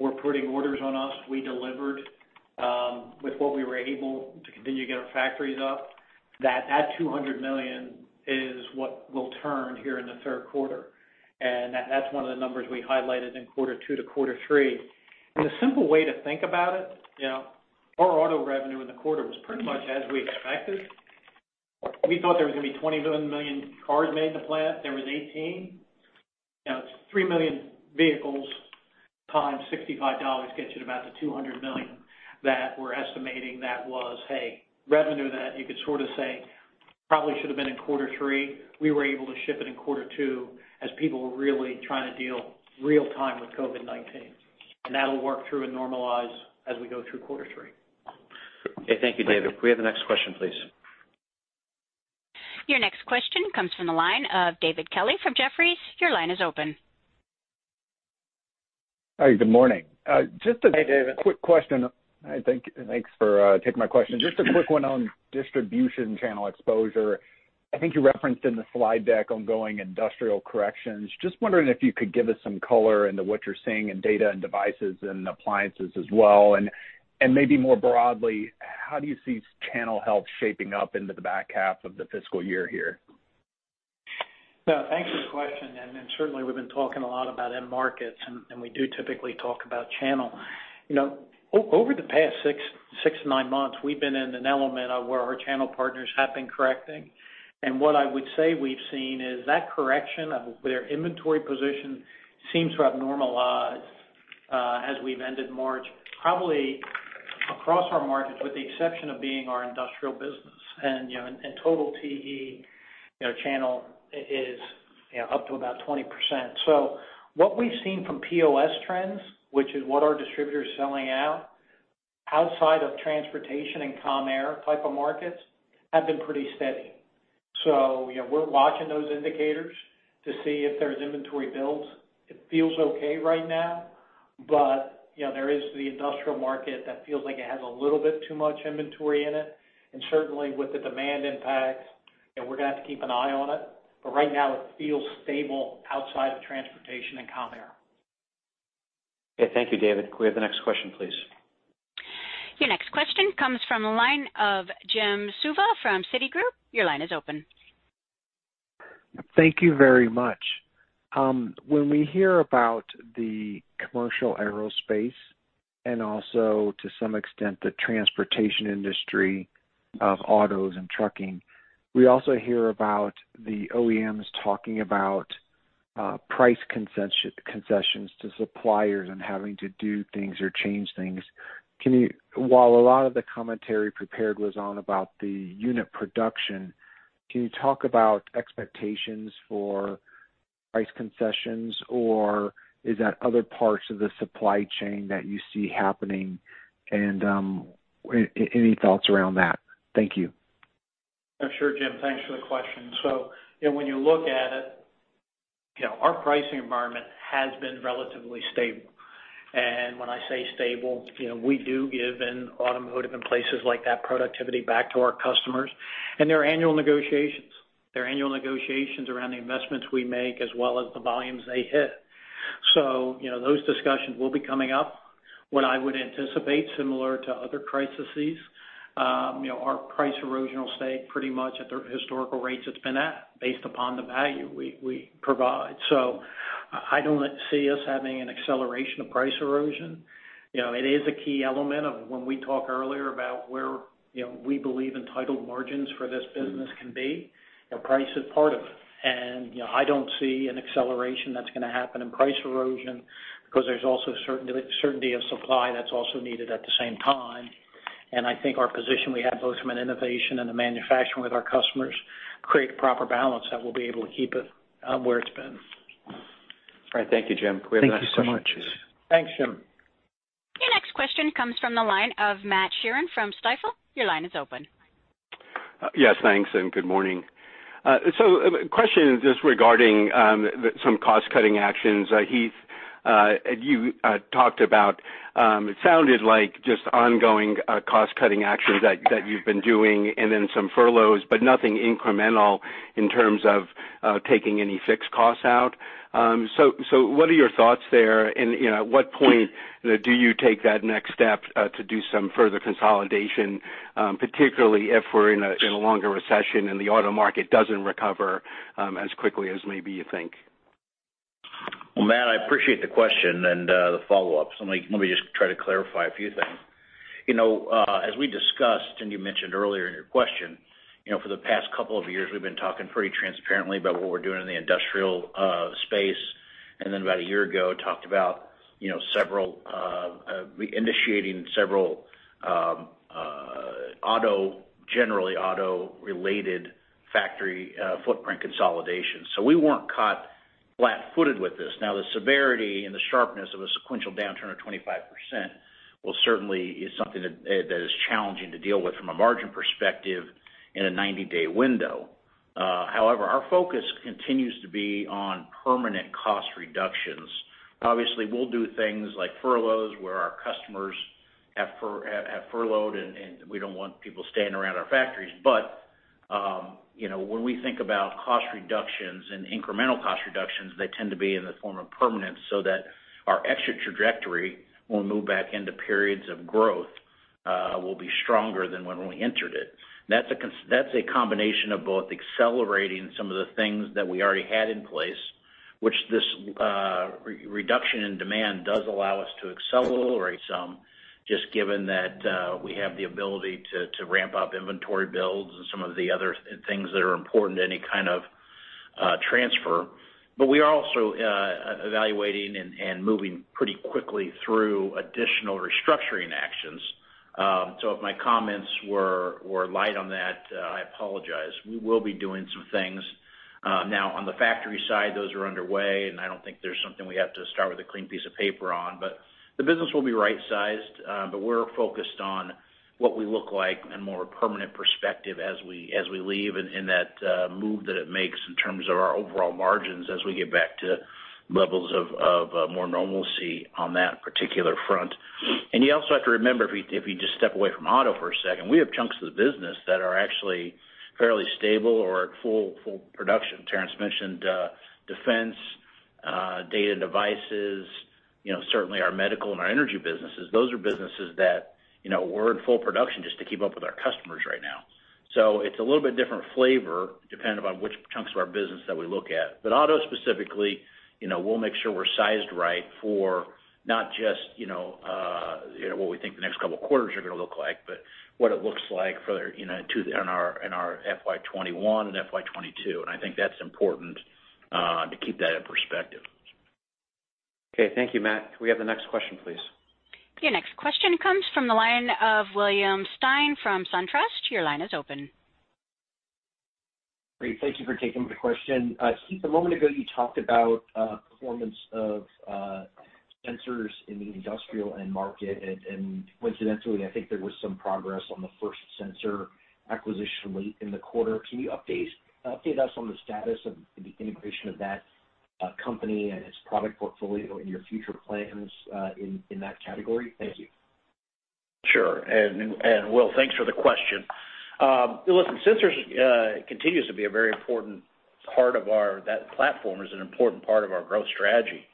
were putting orders on us. We delivered with what we were able to continue to get our factories up. That $200 million is what will turn here in the third quarter. And that's one of the numbers we highlighted in quarter two to quarter three. And the simple way to think about it, our auto revenue in the quarter was pretty much as we expected. We thought there was going to be 21 million cars made in the plant. There was 18. Now, it's three million vehicles times $65 gets you to about the $200 million that we're estimating that was, hey, revenue that you could sort of say probably should have been in quarter three. We were able to ship it in quarter two as people were really trying to deal real-time with COVID-19. And that'll work through and normalize as we go through quarter three. Okay, thank you, David. Can we have the next question, please? Your next question comes from the line of David Kelley from Jefferies. Your line is open. Hi, good morning. Just a quick question. Thanks for taking my question. Just a quick one on distribution channel exposure. I think you referenced in the slide deck ongoing industrial corrections. Just wondering if you could give us some color into what you're seeing in Data and Devices and Appliances as well. And maybe more broadly, how do you see channel health shaping up into the back half of the fiscal year here? Thanks for the question. And certainly, we've been talking a lot about end markets. And we do typically talk about channel. Over the past six to nine months, we've been in an element of where our channel partners have been correcting. And what I would say we've seen is that correction of their inventory position seems to have normalized as we've ended March, probably across our markets, with the exception of being our industrial business. And in total, TE channel is up to about 20%. So what we've seen from POS trends, which is what our distributor is selling out, outside of transportation and Comm Air type of markets, have been pretty steady. So we're watching those indicators to see if there's inventory builds. It feels okay right now. But there is the industrial market that feels like it has a little bit too much inventory in it. Certainly, with the demand impact, we're going to have to keep an eye on it, but right now, it feels stable outside of transportation and Comm Air. Okay, thank you, David. Can we have the next question, please? Your next question comes from the line of Jim Suva from Citigroup. Your line is open. Thank you very much. When we hear about the commercial aerospace and also, to some extent, the transportation industry of autos and trucking, we also hear about the OEMs talking about price concessions to suppliers and having to do things or change things. While a lot of the commentary prepared was on about the unit production, can you talk about expectations for price concessions, or is that other parts of the supply chain that you see happening? And any thoughts around that? Thank you. Sure, Jim. Thanks for the question. So when you look at it, our pricing environment has been relatively stable. And when I say stable, we do give in automotive and places like that productivity back to our customers in their annual negotiations. Their annual negotiations around the investments we make, as well as the volumes they hit. So those discussions will be coming up. What I would anticipate, similar to other crises, our price erosion will stay pretty much at the historical rates it's been at, based upon the value we provide. So I don't see us having an acceleration of price erosion. It is a key element of when we talk earlier about where we believe entitled margins for this business can be. Price is part of it. And I don't see an acceleration that's going to happen in price erosion because there's also certainty of supply that's also needed at the same time. And I think our position we have both from an innovation and a manufacturing with our customers create a proper balance that we'll be able to keep it where it's been. All right, thank you, Jim. Can we have the next question? Thank you so much. Thanks, Jim. Your next question comes from the line of Matt Sheerin from Stifel. Your line is open. Yes, thanks. And good morning. So question is just regarding some cost-cutting actions. Heath, you talked about it sounded like just ongoing cost-cutting actions that you've been doing and then some furloughs, but nothing incremental in terms of taking any fixed costs out. So what are your thoughts there? And at what point do you take that next step to do some further consolidation, particularly if we're in a longer recession and the auto market doesn't recover as quickly as maybe you think? Matt, I appreciate the question and the follow-up. Let me just try to clarify a few things. As we discussed, and you mentioned earlier in your question, for the past couple of years, we've been talking pretty transparently about what we're doing in the industrial space. Then about a year ago, talked about initiating several generally auto-related factory footprint consolidations. We weren't caught flat-footed with this. Now, the severity and the sharpness of a sequential downturn of 25% will certainly be something that is challenging to deal with from a margin perspective in a 90-day window. However, our focus continues to be on permanent cost reductions. Obviously, we'll do things like furloughs where our customers have furloughed, and we don't want people staying around our factories. But when we think about cost reductions and incremental cost reductions, they tend to be in the form of permanence so that our exit trajectory, when we move back into periods of growth, will be stronger than when we entered it. That's a combination of both accelerating some of the things that we already had in place, which this reduction in demand does allow us to accelerate some, just given that we have the ability to ramp up inventory builds and some of the other things that are important to any kind of transfer. But we are also evaluating and moving pretty quickly through additional restructuring actions. So if my comments were light on that, I apologize. We will be doing some things. Now, on the factory side, those are underway. And I don't think there's something we have to start with a clean piece of paper on. But the business will be right-sized. But we're focused on what we look like and more permanent perspective as we leave and that move that it makes in terms of our overall margins as we get back to levels of more normalcy on that particular front. And you also have to remember, if you just step away from auto for a second, we have chunks of the business that are actually fairly stable or at full production. Terrence mentioned Defense, Data and Devices, certainly our medical and our energy businesses. Those are businesses that we're in full production just to keep up with our customers right now. So it's a little bit different flavor depending on which chunks of our business that we look at. But auto specifically, we'll make sure we're sized right for not just what we think the next couple of quarters are going to look like, but what it looks like in our FY21 and FY22, and I think that's important to keep that in perspective. Okay, thank you, Matt. Can we have the next question, please? Your next question comes from the line of William Stein from SunTrust. Your line is open. Great. Thank you for taking the question. Heath, a moment ago, you talked about performance of sensors in the industrial end market. And coincidentally, I think there was some progress on the First Sensor acquisition late in the quarter. Can you update us on the status of the integration of that company and its product portfolio and your future plans in that category? Thank you. Sure. Well, thanks for the question. Listen, Sensors continues to be a very important part of our. That platform is an important part of our growth strategy.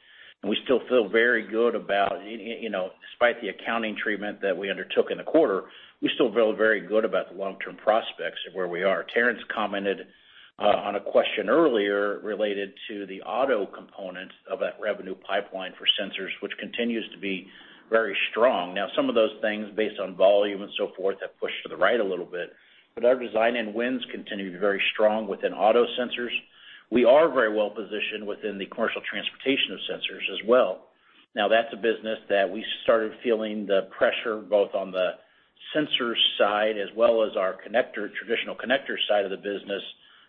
We still feel very good about, despite the accounting treatment that we undertook in the quarter, we still feel very good about the long-term prospects of where we are. Terrence commented on a question earlier related to the auto components of that revenue pipeline for Sensors, which continues to be very strong. Now, some of those things, based on volume and so forth, have pushed to the right a little bit. But our design wins continue to be very strong within auto Sensors. We are very well positioned within the commercial transportation of Sensors as well. Now, that's a business that we started feeling the pressure both on the sensor side as well as our traditional connector side of the business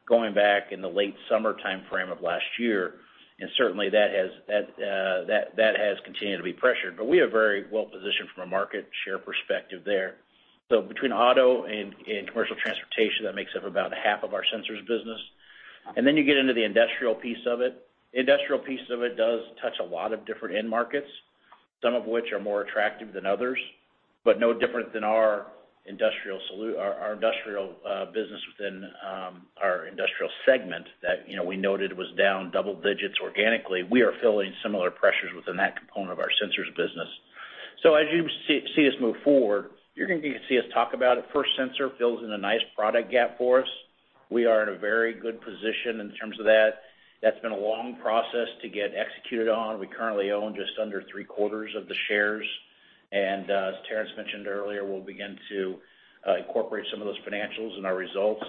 going back in the late summer timeframe of last year. And certainly, that has continued to be pressured. But we are very well positioned from a market share perspective there. So between auto and commercial transportation, that makes up about half of our sensors business. And then you get into the industrial piece of it. The industrial piece of it does touch a lot of different end markets, some of which are more attractive than others, but no different than our industrial business within our industrial segment that we noted was down double digits organically. We are feeling similar pressures within that component of our sensors business. So as you see us move forward, you're going to see us talk about it. First Sensor fills in a nice product gap for us. We are in a very good position in terms of that. That's been a long process to get executed on. We currently own just under three-quarters of the shares, and as Terrence mentioned earlier, we'll begin to incorporate some of those financials in our results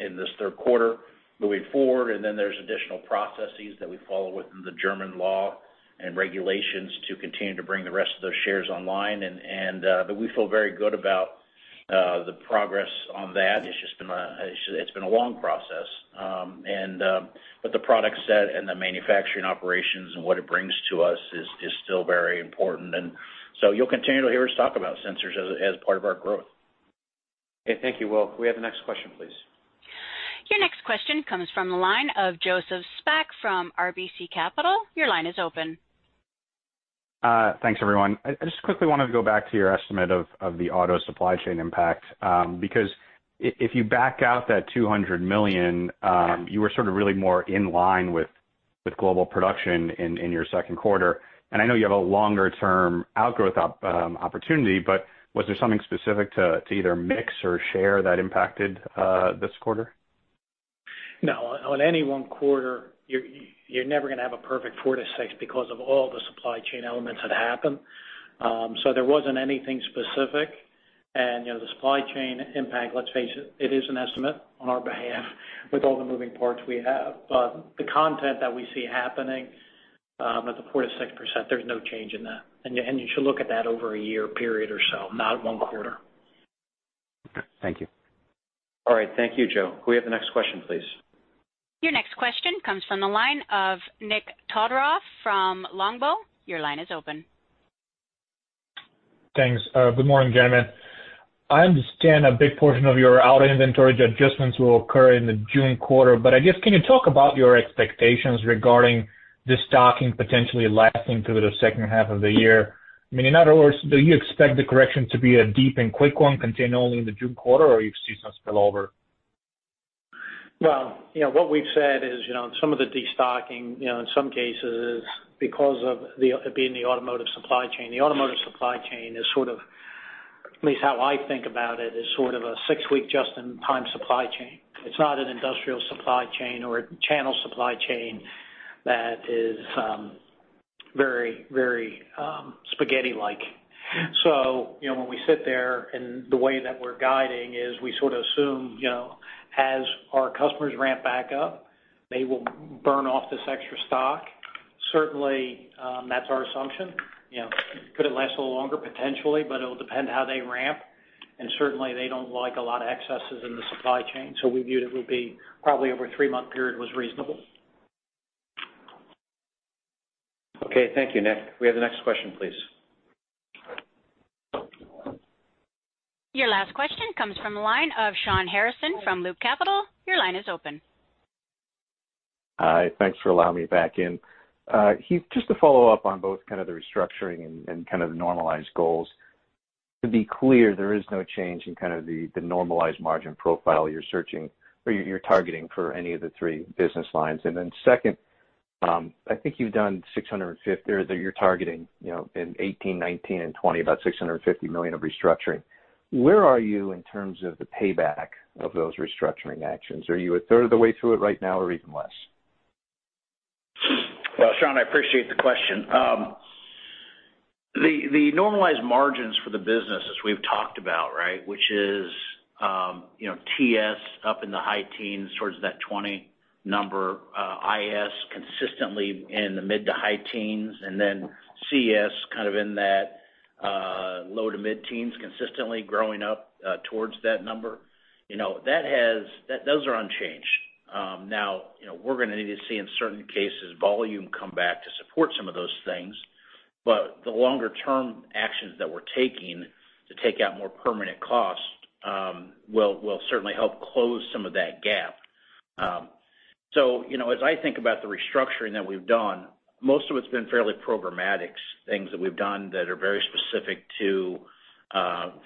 in this third quarter moving forward, and then there's additional processes that we follow within the German law and regulations to continue to bring the rest of those shares online, but we feel very good about the progress on that. It's just been a long process, but the product set and the manufacturing operations and what it brings to us is still very important, and so you'll continue to hear us talk about sensors as part of our growth. Okay, thank you, Will. Can we have the next question, please? Your next question comes from the line of Joseph Spack from RBC Capital. Your line is open. Thanks, everyone. I just quickly wanted to go back to your estimate of the auto supply chain impact. Because if you back out that $200 million, you were sort of really more in line with global production in your second quarter, and I know you have a longer-term outgrowth opportunity, but was there something specific to either mix or share that impacted this quarter? No. On any one quarter, you're never going to have a perfect 4-6 because of all the supply chain elements that happen. So there wasn't anything specific. And the supply chain impact, let's face it, it is an estimate on our behalf with all the moving parts we have. But the content that we see happening at the 4-6%, there's no change in that. And you should look at that over a year period or so, not one quarter. Okay. Thank you. All right. Thank you, Joe. Can we have the next question, please? Your next question comes from the line of Nik Todorov from Longbow. Your line is open. Thanks. Good morning, gentlemen. I understand a big portion of your auto inventory adjustments will occur in the June quarter. But I guess, can you talk about your expectations regarding the stocking potentially lasting through the second half of the year? I mean, in other words, do you expect the correction to be a deep and quick one, contained only in the June quarter, or you've seen some spillover? What we've said is some of the destocking, in some cases, is because of being the automotive supply chain. The automotive supply chain is sort of, at least how I think about it, is sort of a six-week just-in-time supply chain. It's not an industrial supply chain or a channel supply chain that is very, very spaghetti-like. So when we sit there and the way that we're guiding is we sort of assume, as our customers ramp back up, they will burn off this extra stock. Certainly, that's our assumption. Could it last a little longer? Potentially, but it'll depend how they ramp. Certainly, they don't like a lot of excesses in the supply chain. So we viewed it would be probably over a three-month period was reasonable. Okay. Thank you, Nik. Can we have the next question, please? Your last question comes from the line of Shawn Harrison from Loop Capital. Your line is open. Hi. Thanks for allowing me back in. Heath, just to follow up on both kind of the restructuring and kind of the normalized goals, to be clear, there is no change in kind of the normalized margin profile you're targeting for any of the three business lines, and then second, I think you've done $650 million or you're targeting in 2018, 2019, and 2020 about $650 million of restructuring. Where are you in terms of the payback of those restructuring actions? Are you a third of the way through it right now or even less? Shawn, I appreciate the question. The normalized margins for the business, as we've talked about, right, which is TS up in the high teens towards that 20 number, IS consistently in the mid to high teens, and then CS kind of in that low to mid teens consistently growing up towards that number, those are unchanged. Now, we're going to need to see in certain cases volume come back to support some of those things. But the longer-term actions that we're taking to take out more permanent costs will certainly help close some of that gap. So as I think about the restructuring that we've done, most of it's been fairly programmatic things that we've done that are very specific to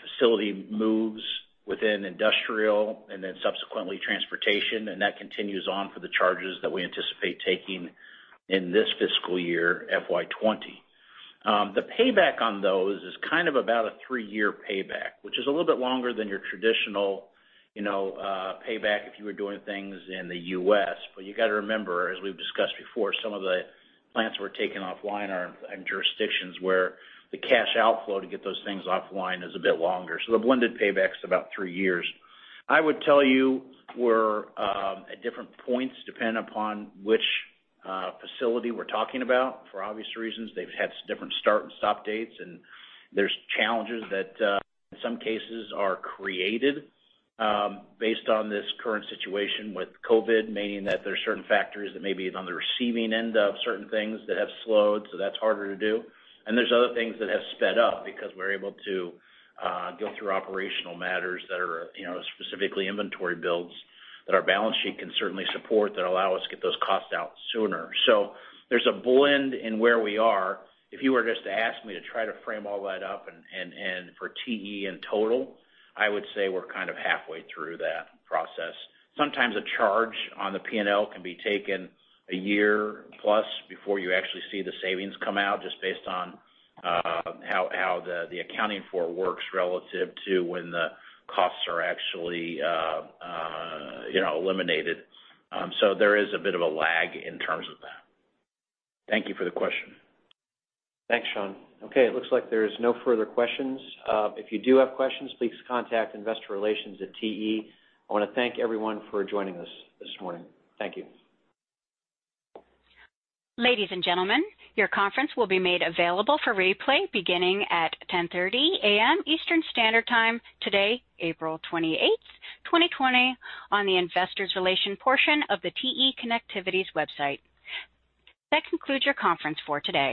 facility moves within industrial and then subsequently transportation. And that continues on for the charges that we anticipate taking in this fiscal year, FY 2020. The payback on those is kind of about a three-year payback, which is a little bit longer than your traditional payback if you were doing things in the U.S. But you got to remember, as we've discussed before, some of the plants we're taking offline are in jurisdictions where the cash outflow to get those things offline is a bit longer. So the blended payback is about three years. I would tell you we're at different points depending upon which facility we're talking about. For obvious reasons, they've had different start and stop dates. And there's challenges that in some cases are created based on this current situation with COVID, meaning that there are certain factors that may be on the receiving end of certain things that have slowed. So that's harder to do. And there's other things that have sped up because we're able to go through operational matters that are specifically inventory builds that our balance sheet can certainly support that allow us to get those costs out sooner. So there's a blend in where we are. If you were just to ask me to try to frame all that up for TE and total, I would say we're kind of halfway through that process. Sometimes a charge on the P&L can be taken a year plus before you actually see the savings come out just based on how the accounting for works relative to when the costs are actually eliminated. So there is a bit of a lag in terms of that. Thank you for the question. Thanks, Shawn. Okay. It looks like there are no further questions. If you do have questions, please contact Investor Relations at TE. I want to thank everyone for joining us this morning. Thank you. Ladies and gentlemen, your conference will be made available for replay beginning at 10:30 A.M. Eastern Standard Time today, April 28th, 2020, on the Investor Relations portion of the TE Connectivity's website. That concludes your conference for today.